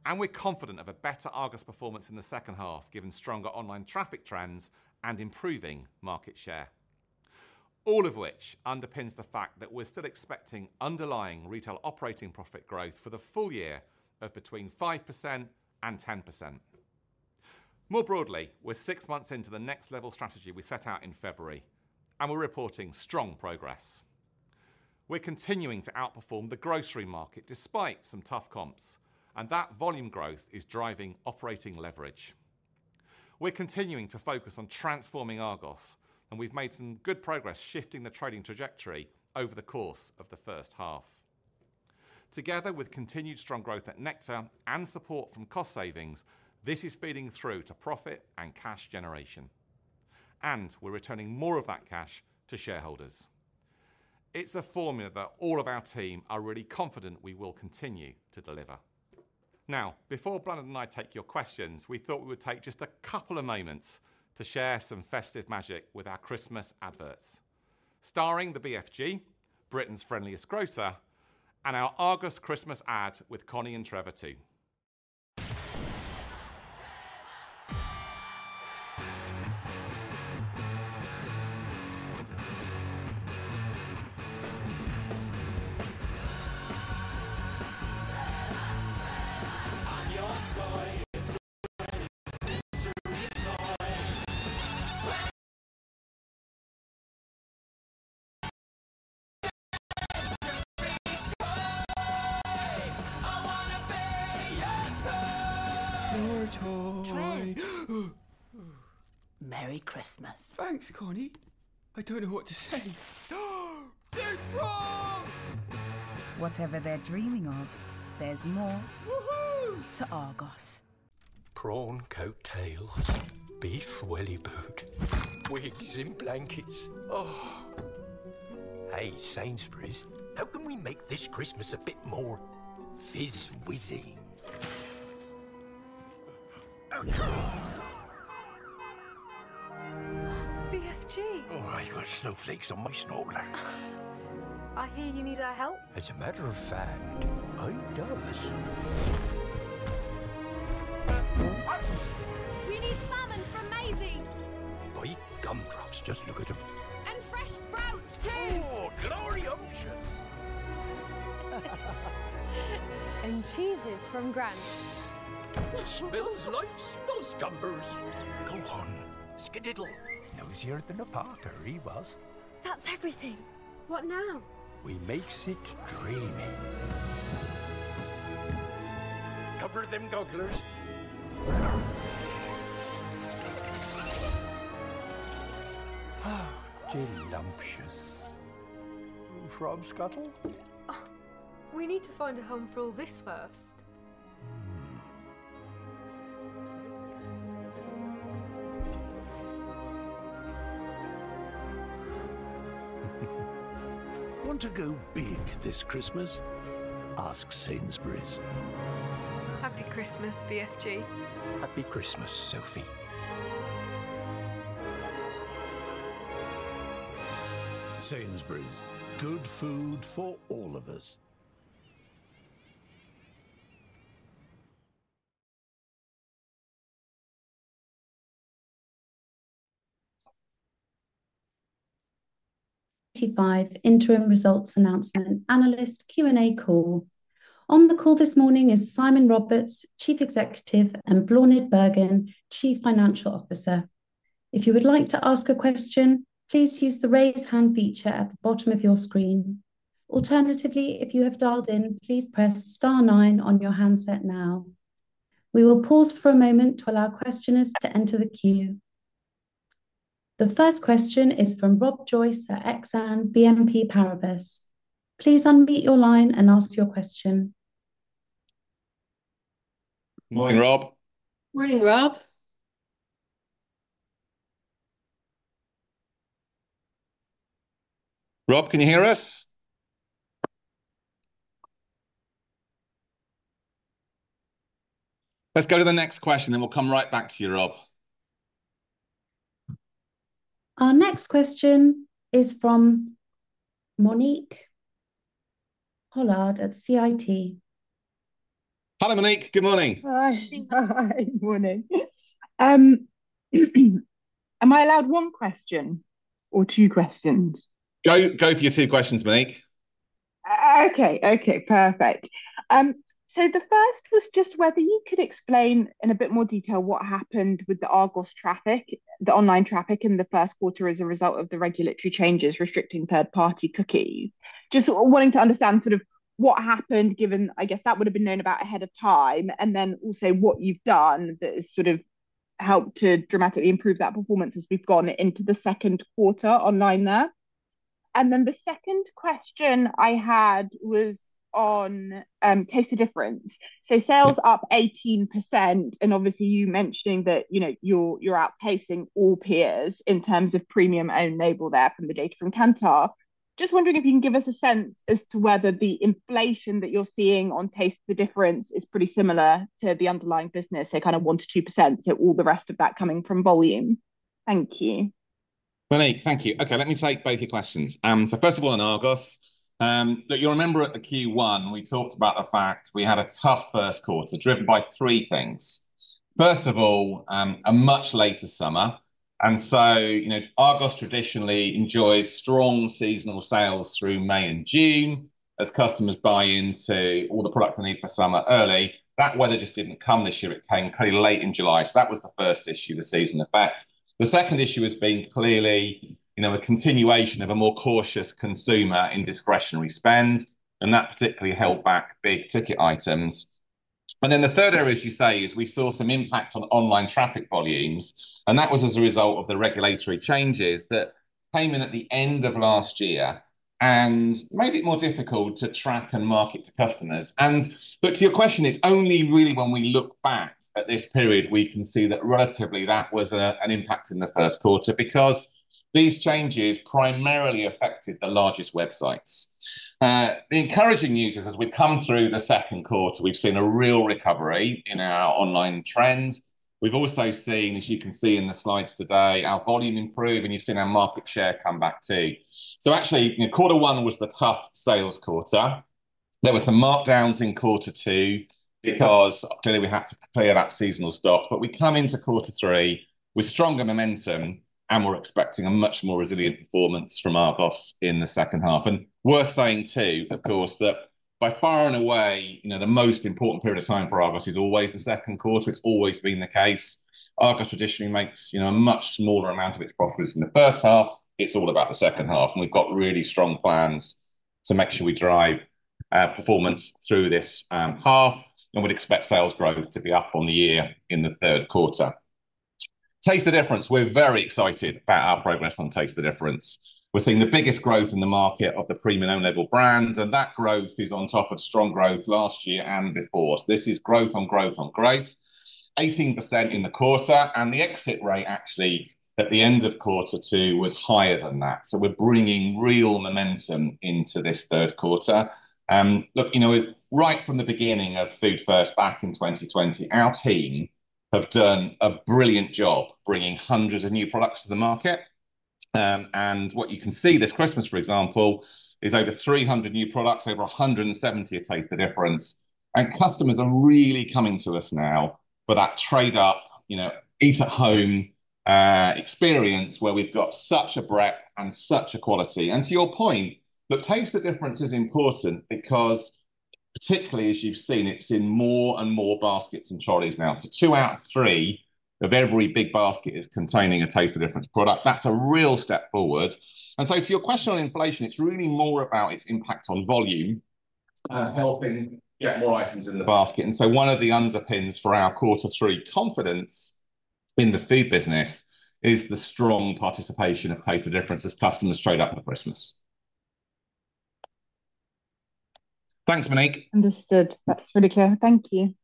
And we're confident of a better Argos performance in the second half, given stronger online traffic trends and improving market share, all of which underpins the fact that we're still expecting underlying retail operating profit growth for the full year of between 5% and 10%. More broadly, we're six months into the Next Level strategy we set out in February, and we're reporting strong progress. We're continuing to outperform the grocery market despite some tough comps, and that volume growth is driving operating leverage. We're continuing to focus on transforming Argos, and we've made some good progress shifting the trading trajectory over the course of the first half. Together with continued strong growth at Nectar and support from cost savings, this is feeding through to profit and cash generation, and we're returning more of that cash to shareholders. It's a formula that all of our team are really confident we will continue to deliver. Now, before Bláthnaid and I take your questions, we thought we would take just a couple of moments to share some festive magic with our Christmas adverts, starring the BFG, Britain's friendliest grocer, and our Argos Christmas ad with Connie and Trevor too. 25 interim results announcement analyst Q&A call. On the call this morning is Simon Roberts, Chief Executive, and Bláthnaid Bergin, Chief Financial Officer. If you would like to ask a question, please use the raise hand feature at the bottom of your screen. Alternatively, if you have dialed in, please press star nine on your handset now. We will pause for a moment to allow questioners to enter the queue. The first question is from Rob Joyce at Exane BNP Paribas. Please unmute your line and ask your question. Morning, Rob. Morning, Rob. Rob, can you hear us? Let's go to the next question, and we'll come right back to you, Rob. Our next question is from Monique Pollard at Citi. Hello, Monique. Good morning. Hi. Good morning. Am I allowed one question or two questions? Go for your two questions, Monique. Okay, okay. Perfect. So the first was just whether you could explain in a bit more detail what happened with the Argos traffic, the online traffic in the first quarter as a result of the regulatory changes restricting third-party cookies. Just wanting to understand sort of what happened, given, I guess, that would have been known about ahead of time, and then also what you've done that has sort of helped to dramatically improve that performance as we've gone into the second quarter online there? And then the second question I had was on Taste the Difference. Sales up 18%, and obviously you mentioning that you're outpacing all peers in terms of premium and label there from the data from Kantar. Just wondering if you can give us a sense as to whether the inflation that you're seeing on Taste the Difference is pretty similar to the underlying business, so kind of 1%-2%, so all the rest of that coming from volume. Thank you. Monique, thank you. Okay, let me take both your questions. First of all, on Argos, look, you'll remember at the Q1, we talked about the fact we had a tough first quarter driven by three things. First of all, a much later summer. Argos traditionally enjoys strong seasonal sales through May and June. As customers buy into all the products they need for summer early, that weather just didn't come this year. It came pretty late in July. So that was the first issue, the seasonal effect. The second issue has been clearly a continuation of a more cautious consumer discretionary spend, and that particularly held back big ticket items. And then the third area, as you say, is we saw some impact on online traffic volumes, and that was as a result of the regulatory changes that came in at the end of last year and made it more difficult to track and market to customers. But to your question, it's only really when we look back at this period we can see that relatively that was an impact in the first quarter because these changes primarily affected the largest websites. Encouragingly, as we've come through the second quarter, we've seen a real recovery in our online trends. We've also seen, as you can see in the slides today, our volume improve, and you've seen our market share come back too. So actually, quarter one was the tough sales quarter. There were some markdowns in quarter two because clearly we had to clear that seasonal stock. But we come into quarter three with stronger momentum, and we're expecting a much more resilient performance from Argos in the second half. And worth saying too, of course, that by far and away, the most important period of time for Argos is always the second quarter. It's always been the case. Argos traditionally makes a much smaller amount of its profits in the first half. It's all about the second half, and we've got really strong plans to make sure we drive performance through this half, and we'd expect sales growth to be up on the year in the third quarter. Taste the Difference. We're very excited about our progress on Taste the Difference. We're seeing the biggest growth in the market of the premium own-label brands, and that growth is on top of strong growth last year and before. So this is growth on growth on growth, 18% in the quarter, and the exit rate actually at the end of quarter two was higher than that. So we're bringing real momentum into this third quarter. Look, right from the beginning of Food First back in 2020, our team have done a brilliant job bringing hundreds of new products to the market. And what you can see this Christmas, for example, is over 300 new products, over 170 at Taste the Difference. And customers are really coming to us now for that trade-up, eat-at-home experience where we've got such a breadth and such a quality. And to your point, look, Taste the Difference is important because particularly, as you've seen, it's in more and more baskets and trolleys now. So two out of three of every big basket is containing a Taste the Difference product. That's a real step forward. And so to your question on inflation, it's really more about its impact on volume, helping get more items in the basket. And so one of the underpins for our quarter three confidence in the food business is the strong participation of Taste the Difference as customers trade up for Christmas. Thanks, Monique. Understood. That's really clear. Thank you.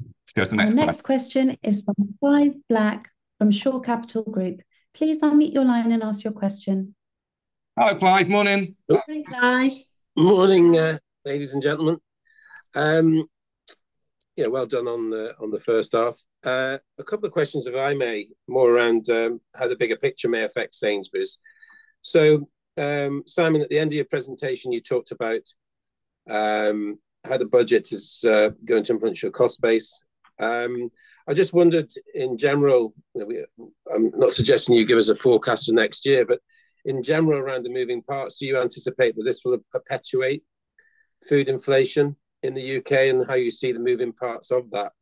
Let's go to the next question. The next question is from Clive Black from Shore Capital Group. Please unmute your line and ask your question. Hello, Clive. Morning. Morning, Clive. Morning, ladies and gentlemen. Yeah, well done on the first half. A couple of questions, if I may, more around how the bigger picture may affect Sainsbury's. So, Simon, at the end of your presentation, you talked about how the budget is going to influence your cost base. I just wondered, in general, I'm not suggesting you give us a forecast for next year, but in general, around the moving parts, do you anticipate that this will perpetuate food inflation in the U.K. and how you see the moving parts of that?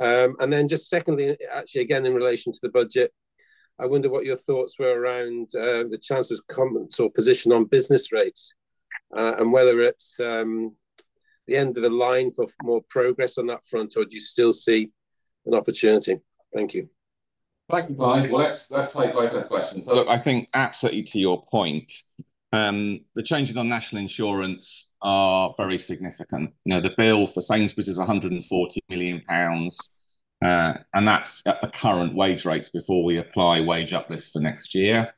And then just secondly, actually, again, in relation to the budget, I wonder what your thoughts were around the Chancellor's comments or position on business rates and whether it's the end of the line for more progress on that front, or do you still see an opportunity? Thank you. Thank you, Clive. Let's take both those questions. Look, I think absolutely to your point, the changes on National Insurance are very significant. The bill for Sainsbury's is 140 million pounds, and that's at the current wage rates before we apply wage uplifts for next year.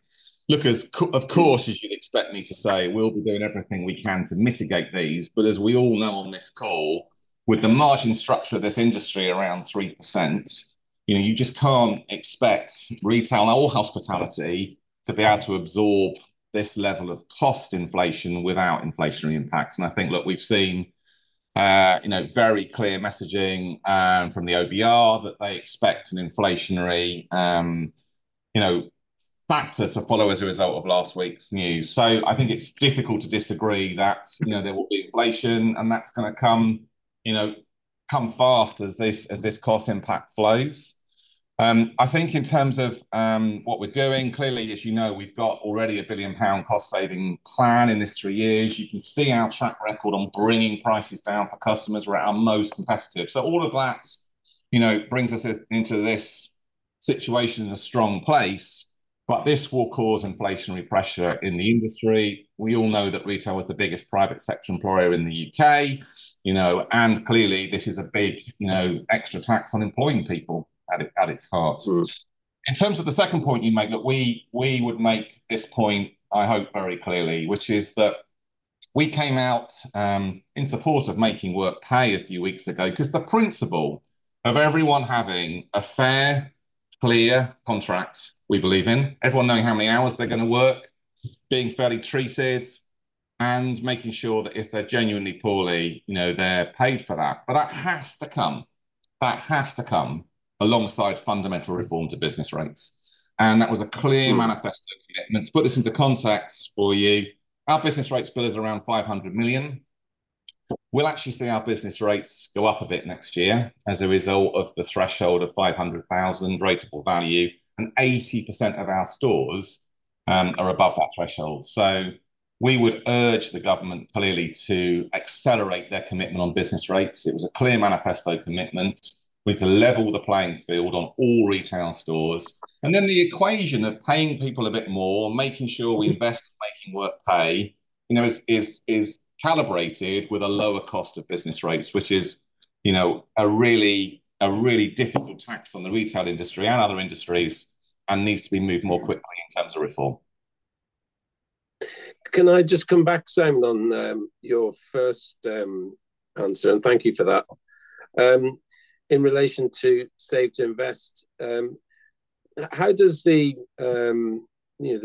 Look, of course, as you'd expect me to say, we'll be doing everything we can to mitigate these, but as we all know on this call, with the margin structure of this industry around 3%, you just can't expect retail and all hospitality to be able to absorb this level of cost inflation without inflationary impacts. And I think, look, we've seen very clear messaging from the OBR that they expect an inflationary factor to follow as a result of last week's news. So I think it's difficult to disagree that there will be inflation, and that's going to come fast as this cost impact flows. I think in terms of what we're doing, clearly, as you know, we've got already a 1 billion pound cost-saving plan in this three years. You can see our track record on bringing prices down for customers where we're most competitive. So all of that brings us into this situation in a strong place, but this will cause inflationary pressure in the industry. We all know that retail is the biggest private sector employer in the U.K., and clearly, this is a big extra tax on employing people at its heart. In terms of the second point you made, look, we would make this point, I hope very clearly, which is that we came out in support of making work pay a few weeks ago because the principle of everyone having a fair, clear contract we believe in, everyone knowing how many hours they're going to work, being fairly treated, and making sure that if they're genuinely poorly, they're paid for that. But that has to come. That has to come alongside fundamental reform to business rates. And that was a clear manifesto commitment. To put this into context for you, our business rates bill is around 500 million. We'll actually see our business rates go up a bit next year as a result of the threshold of 500,000 rateable value, and 80% of our stores are above that threshold. We would urge the government clearly to accelerate their commitment on business rates. It was a clear manifesto commitment. We need to level the playing field on all retail stores. Then the equation of paying people a bit more or making sure we invest in making work pay is calibrated with a lower cost of business rates, which is a really difficult tax on the retail industry and other industries and needs to be moved more quickly in terms of reform. Can I just come back, Simon, on your first answer? Thank you for that. In relation to Save to Invest, how does the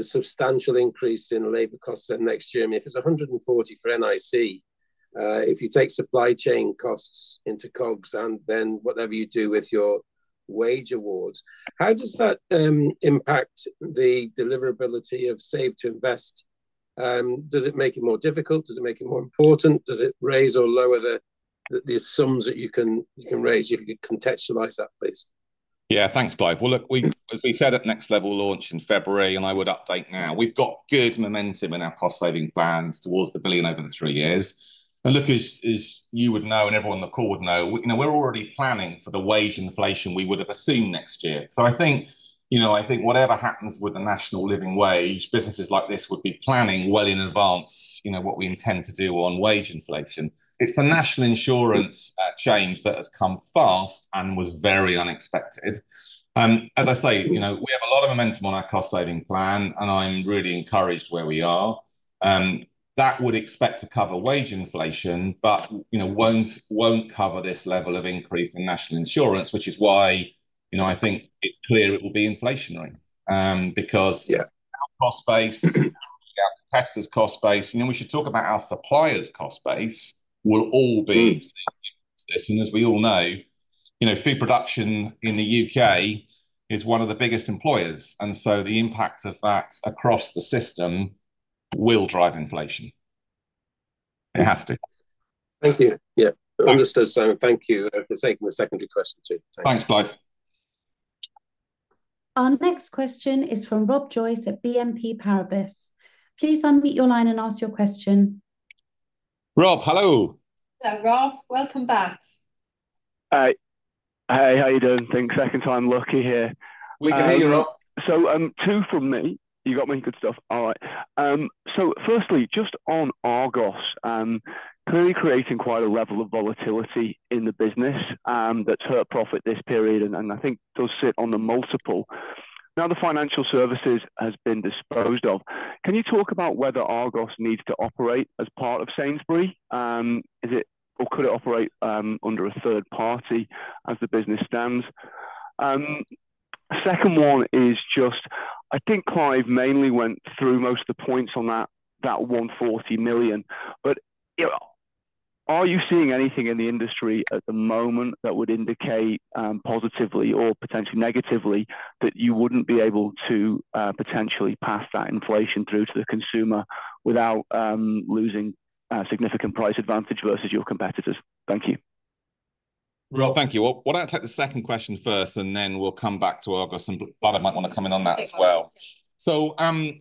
substantial increase in labor costs next year, if it's 140 million for NIC, if you take supply chain costs into COGS and then whatever you do with your wage awards, how does that impact the deliverability of Save to Invest? Does it make it more difficult? Does it make it more important? Does it raise or lower the sums that you can raise? If you could contextualize that, please. Yeah, thanks, Clive. Well, look, as we said at Next Level launch in February, and I would update now, we've got good momentum in our cost-saving plans towards the billion over the three years. And look, as you would know and everyone on the call would know, we're already planning for the wage inflation we would have assumed next year. So I think whatever happens with the National Living Wage, businesses like this would be planning well in advance what we intend to do on wage inflation. It's the National Insurance change that has come fast and was very unexpected. As I say, we have a lot of momentum on our cost-saving plan, and I'm really encouraged where we are. That would expect to cover wage inflation, but won't cover this level of increase in National Insurance, which is why I think it's clear it will be inflationary because our cost base, our competitors' cost base, and we should talk about our suppliers' cost base will all be significant to this, and as we all know, food production in the U.K. is one of the biggest employers, and so the impact of that across the system will drive inflation. It has to. Thank you. Yeah. Understood, Simon. Thank you for taking the secondary question too. Thanks, Clive. Our next question is from Rob Joyce at BNP Paribas. Please unmute your line and ask your question. Rob, hello. Hello, Rob. Welcome back. Hey, how are you doing? Think second time lucky here. We can hear you, Rob. So two from me. You got me in good stuff. All right. So firstly, just on Argos, clearly creating quite a level of volatility in the business that's hurt profit this period and I think does sit on the multiple. Now, the financial services has been disposed of. Can you talk about whether Argos needs to operate as part of Sainsbury's or could it operate under a third party as the business stands? Second one is just, I think Clive mainly went through most of the points on that 140 million, but are you seeing anything in the industry at the moment that would indicate positively or potentially negatively that you wouldn't be able to potentially pass that inflation through to the consumer without losing significant price advantage versus your competitors? Thank you. Rob, thank you. Well, why don't I take the second question first, and then we'll come back to Argos. And Bláthnaid might want to come in on that as well. So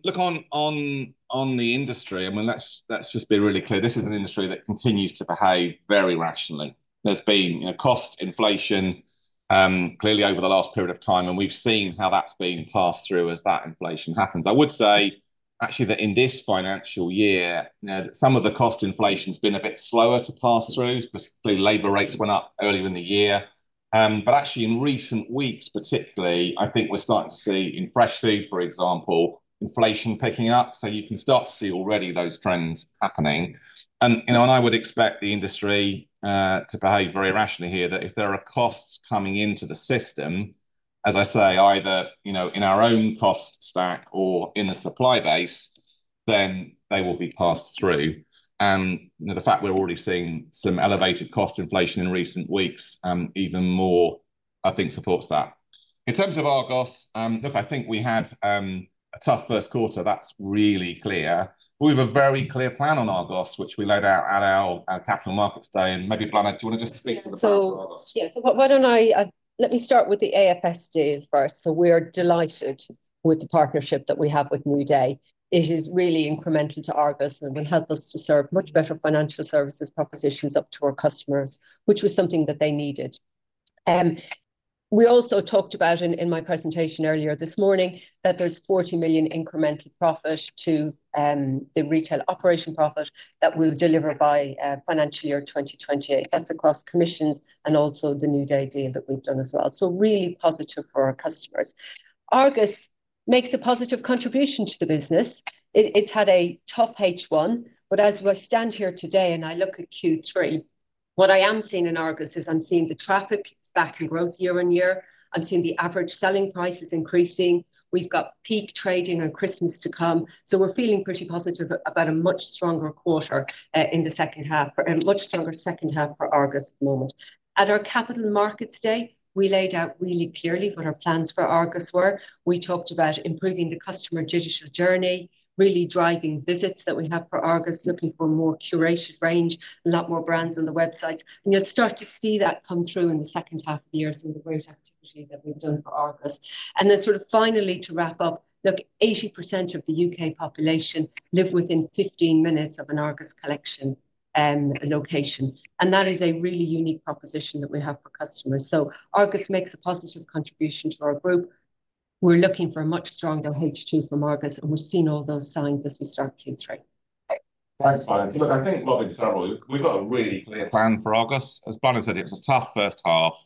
look, on the industry, I mean, let's just be really clear. This is an industry that continues to behave very rationally. There's been cost inflation clearly over the last period of time, and we've seen how that's been passed through as that inflation happens. I would say, actually, that in this financial year, some of the cost inflation has been a bit slower to pass through because labor rates went up earlier in the year. But actually, in recent weeks, particularly, I think we're starting to see in fresh food, for example, inflation picking up. So you can start to see already those trends happening. I would expect the industry to behave very rationally here, that if there are costs coming into the system, as I say, either in our own cost stack or in the supply base, then they will be passed through. The fact we're already seeing some elevated cost inflation in recent weeks even more, I think, supports that. In terms of Argos, look, I think we had a tough first quarter. That's really clear. We have a very clear plan on Argos, which we laid out at our Capital Markets Day. Maybe, Bláthnaid, do you want to just speak to the plan on Argos? Yeah. So let me start with the AFS first. We're delighted with the partnership that we have with NewDay. It is really incremental to Argos and will help us to serve much better financial services propositions up to our customers, which was something that they needed. We also talked about in my presentation earlier this morning that there's 40 million incremental profit to the retail operation profit that we'll deliver by financial year 2028. That's across commissions and also the NewDay deal that we've done as well. So really positive for our customers. Argos makes a positive contribution to the business. It's had a tough H1, but as we stand here today and I look at Q3, what I am seeing in Argos is I'm seeing the traffic is back in growth year-on-year. I'm seeing the average selling prices increasing. We've got peak trading on Christmas to come. So we're feeling pretty positive about a much stronger quarter in the second half, a much stronger second half for Argos at the moment. At our Capital Markets Day, we laid out really clearly what our plans for Argos were. We talked about improving the customer digital journey, really driving visits that we have for Argos, looking for more curated range, a lot more brands on the websites. And you'll start to see that come through in the second half of the year through the growth activity that we've done for Argos. And then sort of finally to wrap up, look, 80% of the U.K. population live within 15 minutes of an Argos collection location. And that is a really unique proposition that we have for customers. So Argos makes a positive contribution to our group. We're looking for a much stronger H2 from Argos, and we've seen all those signs as we start Q3. That's fine. Look, I think, Rob, in general, we've got a really clear plan for Argos. As Bláthnaid said, it was a tough first half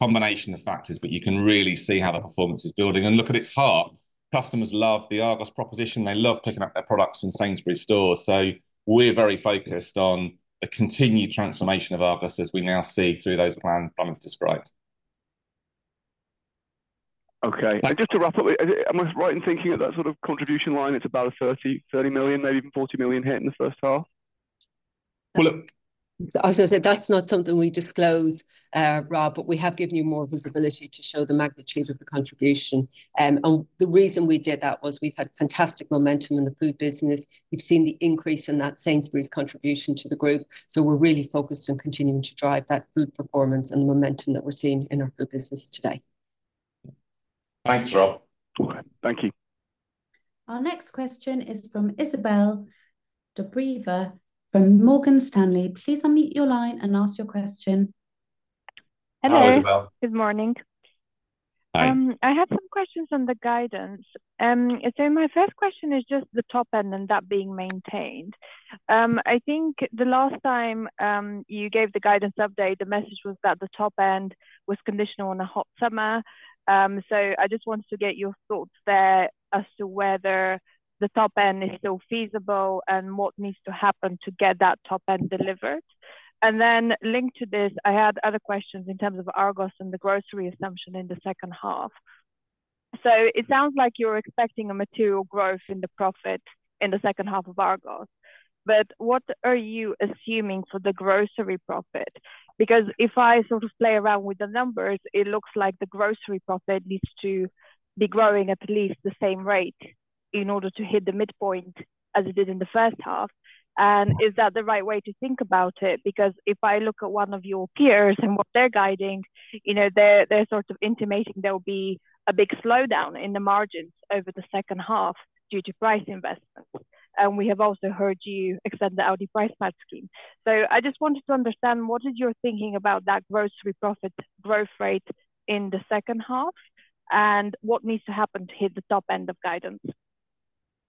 combination of factors, but you can really see how the performance is building. And look at its heart. Customers love the Argos proposition. They love picking up their products in Sainsbury's stores. So we're very focused on the continued transformation of Argos as we now see through those plans Bláthnaid's described. Okay. Just to wrap up, am I right in thinking that that sort of contribution line, it's about 30 million, maybe even 40 million hit in the first half? As I said, that's not something we disclose, Rob, but we have given you more visibility to show the magnitude of the contribution. And the reason we did that was we've had fantastic momentum in the food business. We've seen the increase in that Sainsbury's contribution to the group. So we're really focused on continuing to drive that food performance and the momentum that we're seeing in our food business today. Thanks, Rob. Thank you. Our next question is from Izabel Dobreva from Morgan Stanley. Please unmute your line and ask your question. Hello. Hi, Izabel. Good morning. Hi. I have some questions on the guidance. So my first question is just the top end and that being maintained. I think the last time you gave the guidance update, the message was that the top end was conditional on a hot summer. So I just wanted to get your thoughts there as to whether the top end is still feasible and what needs to happen to get that top end delivered. And then linked to this, I had other questions in terms of Argos and the grocery assumption in the second half. So it sounds like you're expecting a material growth in the profit in the second half of Argos. But what are you assuming for the grocery profit? Because if I sort of play around with the numbers, it looks like the grocery profit needs to be growing at least the same rate in order to hit the midpoint as it did in the first half. And is that the right way to think about it? Because if I look at one of your peers and what they're guiding, they're sort of intimating there will be a big slowdown in the margins over the second half due to price investments. And we have also heard you extend the Aldi Price Match scheme. So I just wanted to understand what is your thinking about that grocery profit growth rate in the second half and what needs to happen to hit the top end of guidance?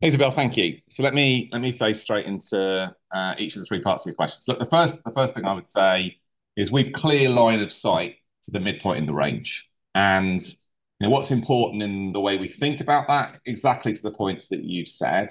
Izabel, thank you. So let me dive straight into each of the three parts of your questions. Look, the first thing I would say is we've clear line of sight to the midpoint in the range. And what's important in the way we think about that exactly to the points that you've said,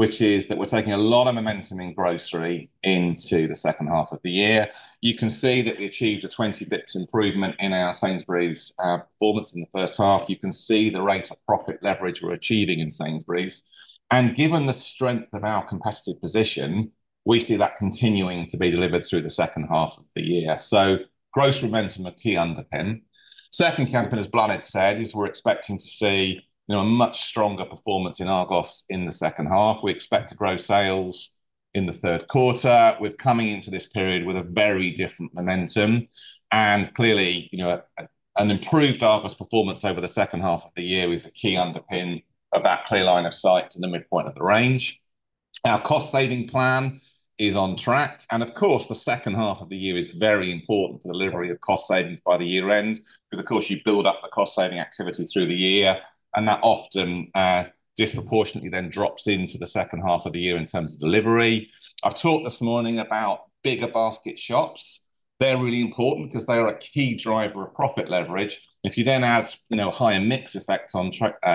which is that we're taking a lot of momentum in grocery into the second half of the year. You can see that we achieved a 20 basis points improvement in our Sainsbury's performance in the first half. You can see the rate of profit leverage we're achieving in Sainsbury's. And, given the strength of our competitive position, we see that continuing to be delivered through the second half of the year. So, gross momentum are key underpin. Second campaign, as Bláthnaid said, is we're expecting to see a much stronger performance in Argos in the second half. We expect to grow sales in the third quarter. We're coming into this period with a very different momentum. And clearly, an improved Argos performance over the second half of the year is a key underpin of that clear line of sight to the midpoint of the range. Our cost-saving plan is on track. Of course, the second half of the year is very important for delivery of cost savings by the year end because, of course, you build up the cost-saving activity through the year, and that often disproportionately then drops into the second half of the year in terms of delivery. I've talked this morning about bigger basket shops. They're really important because they are a key driver of profit leverage. If you then add a higher mix effect on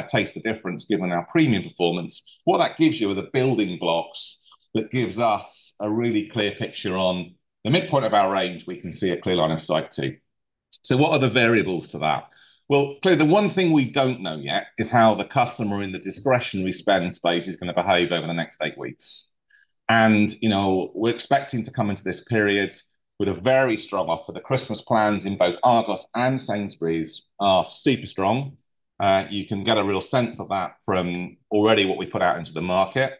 Taste the Difference given our premium performance, what that gives you are the building blocks that gives us a really clear picture on the midpoint of our range. We can see a clear line of sight too. What are the variables to that? Well, clearly, the one thing we don't know yet is how the customer in the discretionary spend space is going to behave over the next eight weeks. And we're expecting to come into this period with a very strong offer. The Christmas plans in both Argos and Sainsbury's are super strong. You can get a real sense of that from already what we put out into the market.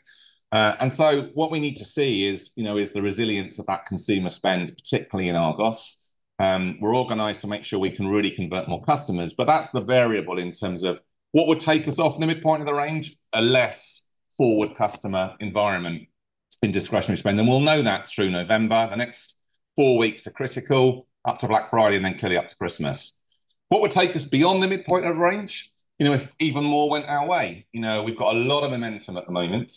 And so what we need to see is the resilience of that consumer spend, particularly in Argos. We're organized to make sure we can really convert more customers. But that's the variable in terms of what would take us off the midpoint of the range: a less forward customer environment in discretionary spend. And we'll know that through November. The next four weeks are critical up to Black Friday and then clearly up to Christmas. What would take us beyond the midpoint of range if even more went our way? We've got a lot of momentum at the moment.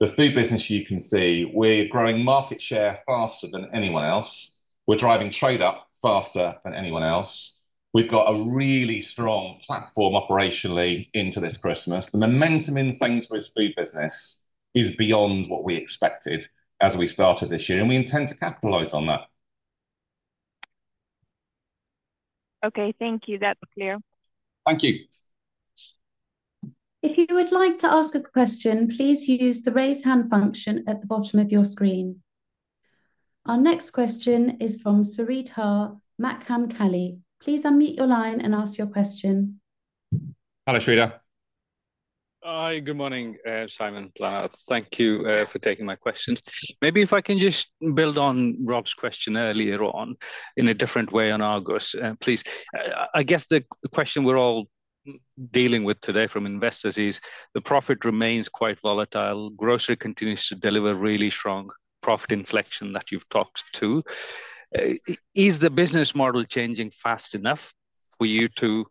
The food business, you can see, we're growing market share faster than anyone else. We're driving trade up faster than anyone else. We've got a really strong platform operationally into this Christmas. The momentum in Sainsbury's food business is beyond what we expected as we started this year, and we intend to capitalize on that. Okay. Thank you. That's clear. Thank you. If you would like to ask a question, please use the raise hand function at the bottom of your screen. Our next question is from Sreedhar Mahamkali. Please unmute your line and ask your question. Hello, Sreedhar. Hi. Good morning, Simon, Bláthnaid. Thank you for taking my questions. Maybe if I can just build on Rob's question earlier on in a different way on Argos, please. I guess the question we're all dealing with today from investors is the profit remains quite volatile. Grocery continues to deliver really strong profit inflection that you've talked to. Is the business model changing fast enough for you to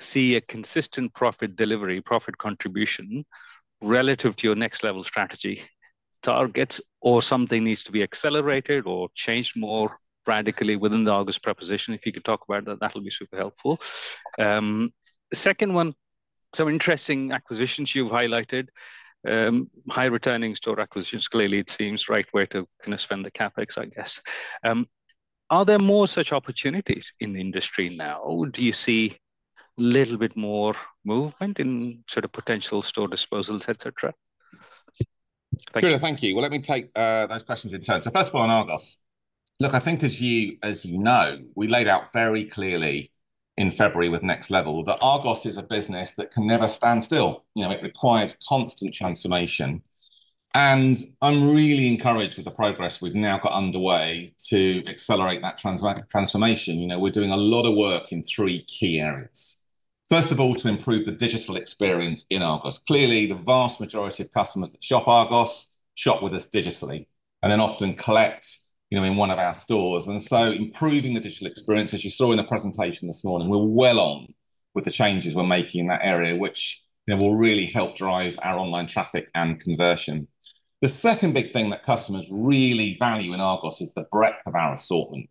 see a consistent profit delivery, profit contribution relative to your Next Level strategy targets, or something needs to be accelerated or changed more radically within the Argos proposition? If you could talk about that, that'll be super helpful. The second one, some interesting acquisitions you've highlighted, high returning store acquisitions, clearly it seems right way to kind of spend the CapEx, I guess. Are there more such opportunities in the industry now? Do you see a little bit more movement in sort of potential store disposals, etc.? Sreedhar, thank you. Well, let me take those questions in turn. So first of all, on Argos, look, I think as you know, we laid out very clearly in February with Next Level that Argos is a business that can never stand still. It requires constant transformation, and I'm really encouraged with the progress we've now got underway to accelerate that transformation. We're doing a lot of work in three key areas. First of all, to improve the digital experience in Argos. Clearly, the vast majority of customers that shop Argos shop with us digitally and then often collect in one of our stores, and so improving the digital experience, as you saw in the presentation this morning, we're well on with the changes we're making in that area, which will really help drive our online traffic and conversion. The second big thing that customers really value in Argos is the breadth of our assortment,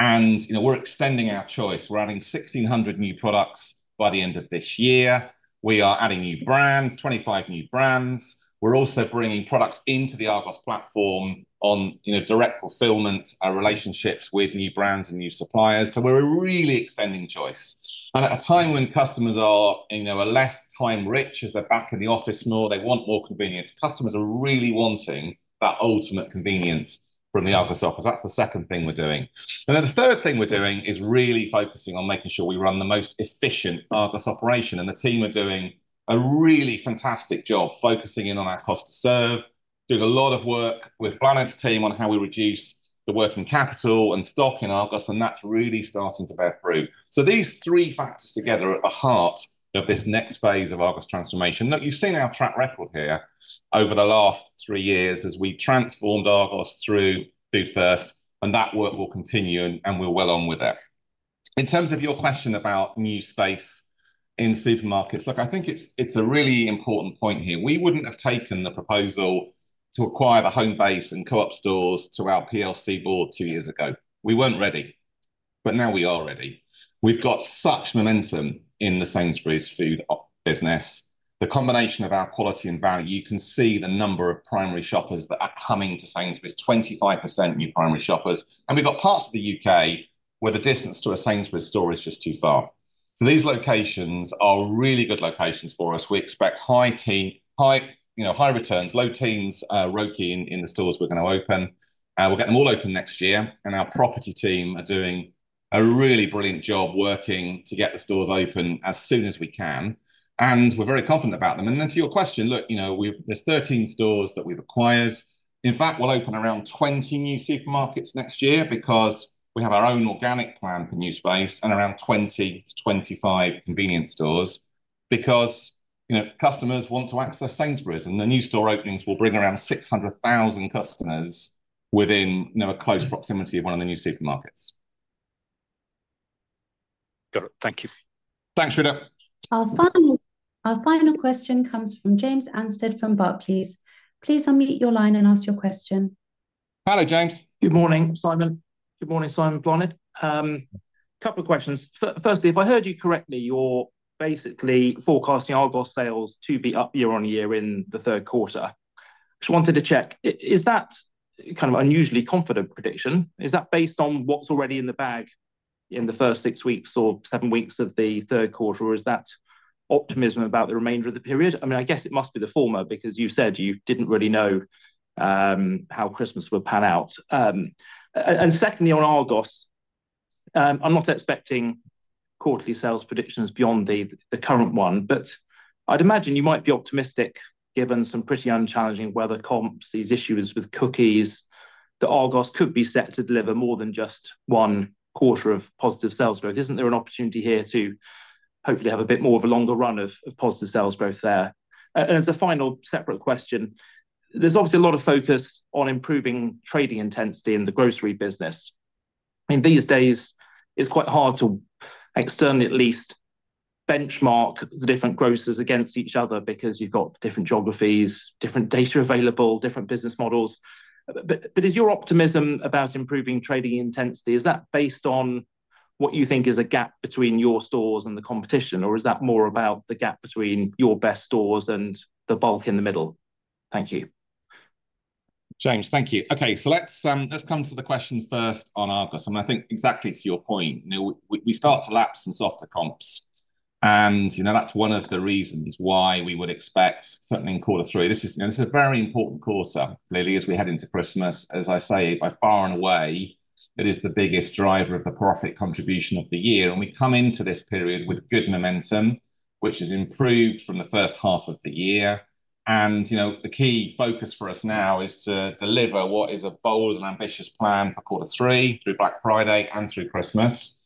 and we're extending our choice. We're adding 1,600 new products by the end of this year. We are adding new brands, 25 new brands. We're also bringing products into the Argos platform on direct fulfillment, our relationships with new brands and new suppliers. So we're really extending choice. And at a time when customers are less time-rich as they're back in the office more, they want more convenience. Customers are really wanting that ultimate convenience from the Argos app. That's the second thing we're doing. And then the third thing we're doing is really focusing on making sure we run the most efficient Argos operation. And the team are doing a really fantastic job focusing in on our cost to serve, doing a lot of work with Bláthnaid's team on how we reduce the working capital and stock in Argos, and that's really starting to bear fruit. So these three factors together are at the heart of this next phase of Argos transformation. Look, you've seen our track record here over the last three years as we've transformed Argos through Food First. And that work will continue, and we're well on with it. In terms of your question about new space in supermarkets, look, I think it's a really important point here. We wouldn't have taken the proposal to acquire the Homebase and Co-op stores to our PLC board two years ago. We weren't ready, but now we are ready. We've got such momentum in the Sainsbury's food business, the combination of our quality and value. You can see the number of primary shoppers that are coming to Sainsbury's, 25% new primary shoppers. And we've got parts of the U.K. where the distance to a Sainsbury's store is just too far. These locations are really good locations for us. We expect high returns, low-teens ROCE in the stores we're going to open. We'll get them all open next year. And our property team are doing a really brilliant job working to get the stores open as soon as we can. And we're very confident about them. And then to your question, look, there's 13 stores that we've acquired. In fact, we'll open around 20 new supermarkets next year because we have our own organic plan for new space and around 20-25 convenience stores because customers want to access Sainsbury's. And the new store openings will bring around 600,000 customers within a close proximity of one of the new supermarkets. Got it. Thank you. Thanks, Sreedhar. Our final question comes from James Anstead from Barclays. Please unmute your line and ask your question. Hello, James. Good morning, Simon. Good morning, Simon, Bláthnaid. Couple of questions. Firstly, if I heard you correctly, you're basically forecasting Argos sales to be up year-on-year in the third quarter. Just wanted to check. Is that kind of unusually confident prediction? Is that based on what's already in the bag in the first six weeks or seven weeks of the third quarter, or is that optimism about the remainder of the period? I mean, I guess it must be the former because you said you didn't really know how Christmas would pan out. And secondly, on Argos, I'm not expecting quarterly sales predictions beyond the current one, but I'd imagine you might be optimistic given some pretty unchallenging weather comps, these issues with cookies that Argos could be set to deliver more than just one quarter of positive sales growth. Isn't there an opportunity here to hopefully have a bit more of a longer run of positive sales growth there? And as a final separate question, there's obviously a lot of focus on improving trading intensity in the grocery business. In these days, it's quite hard to externally at least benchmark the different grocers against each other because you've got different geographies, different data available, different business models. But is your optimism about improving trading intensity, is that based on what you think is a gap between your stores and the competition, or is that more about the gap between your best stores and the bulk in the middle? Thank you. James, thank you. Okay. So let's come to the question first on Argos. And I think exactly to your point, we start to lapse some softer comps. That's one of the reasons why we would expect certainly in quarter three. This is a very important quarter, clearly, as we head into Christmas. As I say, by far and away, it is the biggest driver of the profit contribution of the year. We come into this period with good momentum, which has improved from the first half of the year. The key focus for us now is to deliver what is a bold and ambitious plan for quarter three through Black Friday and through Christmas.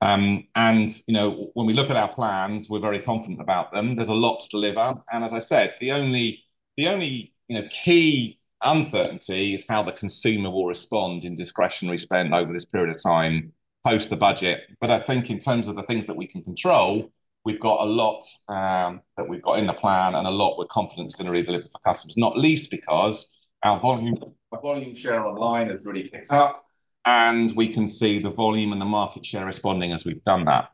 When we look at our plans, we're very confident about them. There's a lot to deliver. As I said, the only key uncertainty is how the consumer will respond in discretionary spend over this period of time post the budget. But I think in terms of the things that we can control, we've got a lot that we've got in the plan and a lot we're confident is going to re-deliver for customers, not least because our volume share online has really picked up, and we can see the volume and the market share responding as we've done that.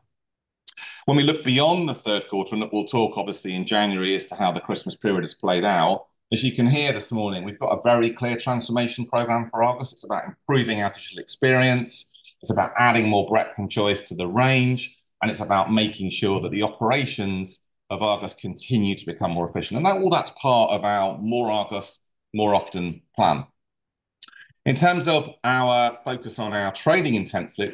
When we look beyond the third quarter, and we'll talk obviously in January as to how the Christmas period has played out, as you can hear this morning, we've got a very clear transformation program for Argos. It's about improving our digital experience. It's about adding more breadth and choice to the range. And it's about making sure that the operations of Argos continue to become more efficient. And all that's part of our More Argos, More Often plan. In terms of our focus on our trading intensity,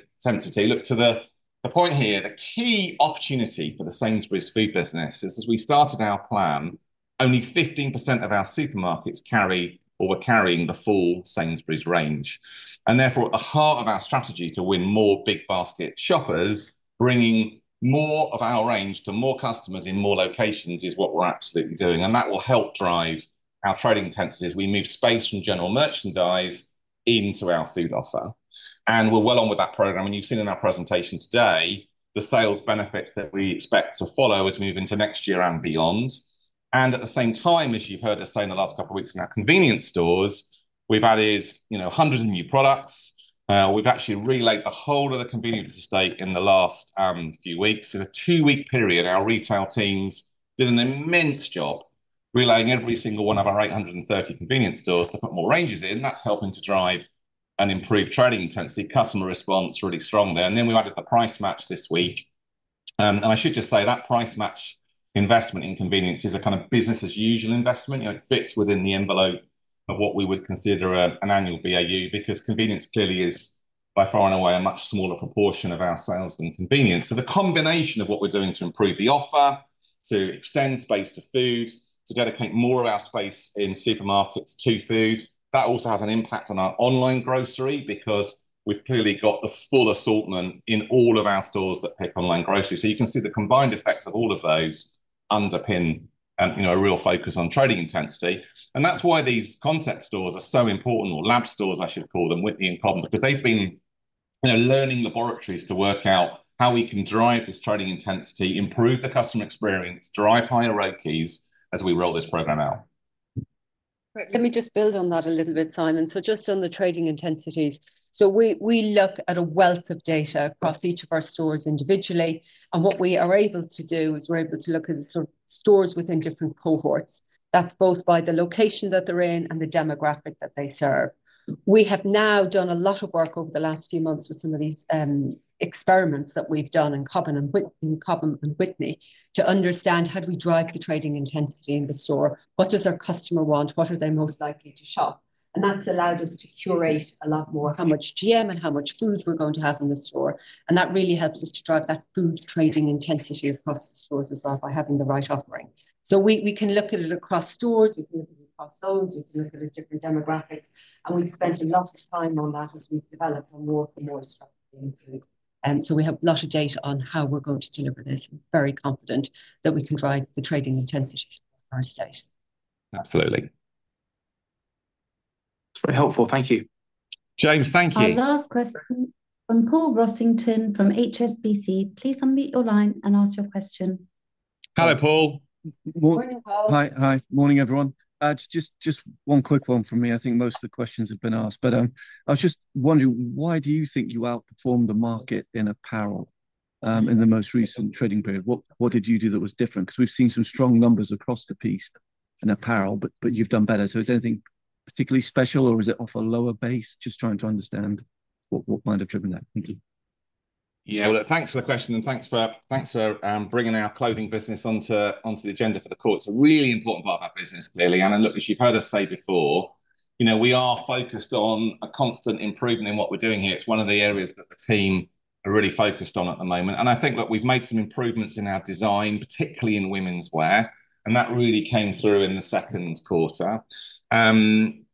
look to the point here, the key opportunity for the Sainsbury's food business is, as we started our plan, only 15% of our supermarkets carry or were carrying the full Sainsbury's range, and therefore, at the heart of our strategy to win more big basket shoppers, bringing more of our range to more customers in more locations is what we're absolutely doing. And that will help drive our trading intensity as we move space from general merchandise into our food offer, and we're well on with that program, and you've seen in our presentation today, the sales benefits that we expect to follow as we move into next year and beyond, and at the same time, as you've heard us say in the last couple of weeks in our convenience stores, we've added hundreds of new products. We've actually relayed the whole of the convenience estate in the last few weeks. In a two-week period, our retail teams did an immense job relaying every single one of our 830 convenience stores to put more ranges in. That's helping to drive and improve trading intensity, customer response really strong there, and then we added the price match this week. And I should just say that price match investment in convenience is a kind of business-as-usual investment. It fits within the envelope of what we would consider an annual BAU because convenience clearly is by far and away a much smaller proportion of our sales than convenience. So the combination of what we're doing to improve the offer, to extend space to food, to dedicate more of our space in supermarkets to food, that also has an impact on our online grocery because we've clearly got the full assortment in all of our stores that pick online groceries. So you can see the combined effects of all of those underpin a real focus on trading intensity. And that's why these concept stores are so important, or lab stores, I should call them, Witney and Cobham, because they've been learning laboratories to work out how we can drive this trading intensity, improve the customer experience, drive higher ROCEs as we roll this program out. Let me just build on that a little bit, Simon. So just on the trading intensities, so we look at a wealth of data across each of our stores individually. And what we are able to do is we're able to look at the sort of stores within different cohorts. That's both by the location that they're in and the demographic that they serve. We have now done a lot of work over the last few months with some of these experiments that we've done in Cobham and Witney to understand how do we drive the trading intensity in the store. What does our customer want? What are they most likely to shop? And that's allowed us to curate a lot more how much GM and how much food we're going to have in the store. And that really helps us to drive that food trading intensity across the stores as well by having the right offering. So we can look at it across stores. We can look at it across zones. We can look at it at different demographics. And we've spent a lot of time on that as we've developed a more and more strategy in food. And so we have a lot of data on how we're going to deliver this. I'm very confident that we can drive the trading intensities across our estate. Absolutely. It's very helpful. Thank you. James, thank you. Our last question from Paul Rossington from HSBC. Please unmute your line and ask your question. Hello, Paul. Good morning, Paul. Hi, morning, everyone. Just one quick one from me. I think most of the questions have been asked. But I was just wondering, why do you think you outperformed the market in apparel in the most recent trading period? What did you do that was different? Because we've seen some strong numbers across the piece in apparel, but you've done better. Is there anything particularly special, or is it off a lower base? Just trying to understand what might have driven that. Thank you. Yeah, well, thanks for the question, and thanks for bringing our clothing business onto the agenda for the call. It's a really important part of our business, clearly. And look, as you've heard us say before, we are focused on a constant improvement in what we're doing here. It's one of the areas that the team are really focused on at the moment. And I think, look, we've made some improvements in our design, particularly in women's wear. And that really came through in the second quarter.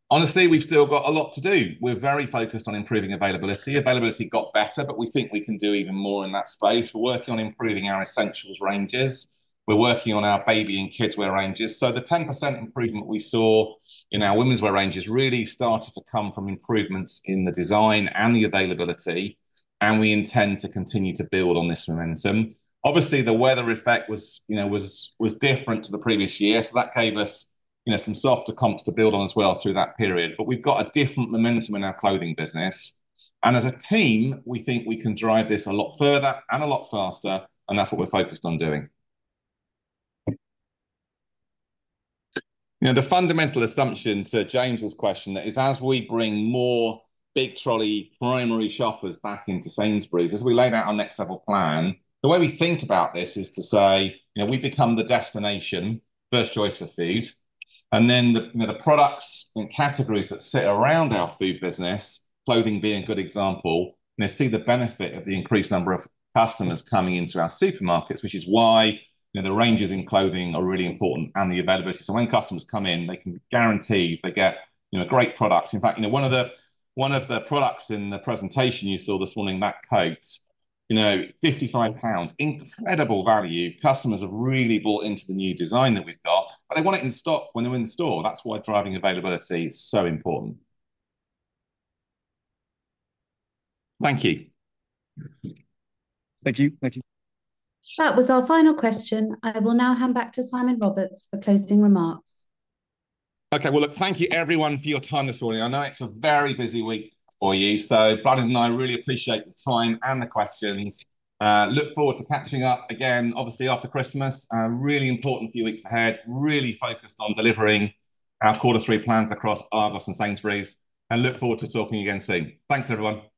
Honestly, we've still got a lot to do. We're very focused on improving availability. Availability got better, but we think we can do even more in that space. We're working on improving our essentials ranges. We're working on our baby and kids' wear ranges. So the 10% improvement we saw in our women's wear ranges really started to come from improvements in the design and the availability. And we intend to continue to build on this momentum. Obviously, the weather effect was different to the previous year. So that gave us some softer comps to build on as well through that period. But we've got a different momentum in our clothing business. And as a team, we think we can drive this a lot further and a lot faster. And that's what we're focused on doing. The fundamental assumption to James's question is, as we bring more big trolley primary shoppers back into Sainsbury's, as we lay out our next level plan, the way we think about this is to say we become the destination, First Choice for Food. And then the products and categories that sit around our food business, clothing being a good example, see the benefit of the increased number of customers coming into our supermarkets, which is why the ranges in clothing are really important and the availability. So when customers come in, they can be guaranteed they get great products. In fact, one of the products in the presentation you saw this morning, that coat, 55 pounds, incredible value. Customers have really bought into the new design that we've got, but they want it in stock when they're in store. That's why driving availability is so important. Thank you. Thank you. That was our final question. I will now hand back to Simon Roberts for closing remarks. Okay. Well, look, thank you, everyone, for your time this morning. I know it's a very busy week for you. Bláthnaid and I really appreciate the time and the questions. Look forward to catching up again, obviously, after Christmas. Really important few weeks ahead, really focused on delivering our quarter three plans across Argos and Sainsbury's. Look forward to talking again soon. Thanks, everyone.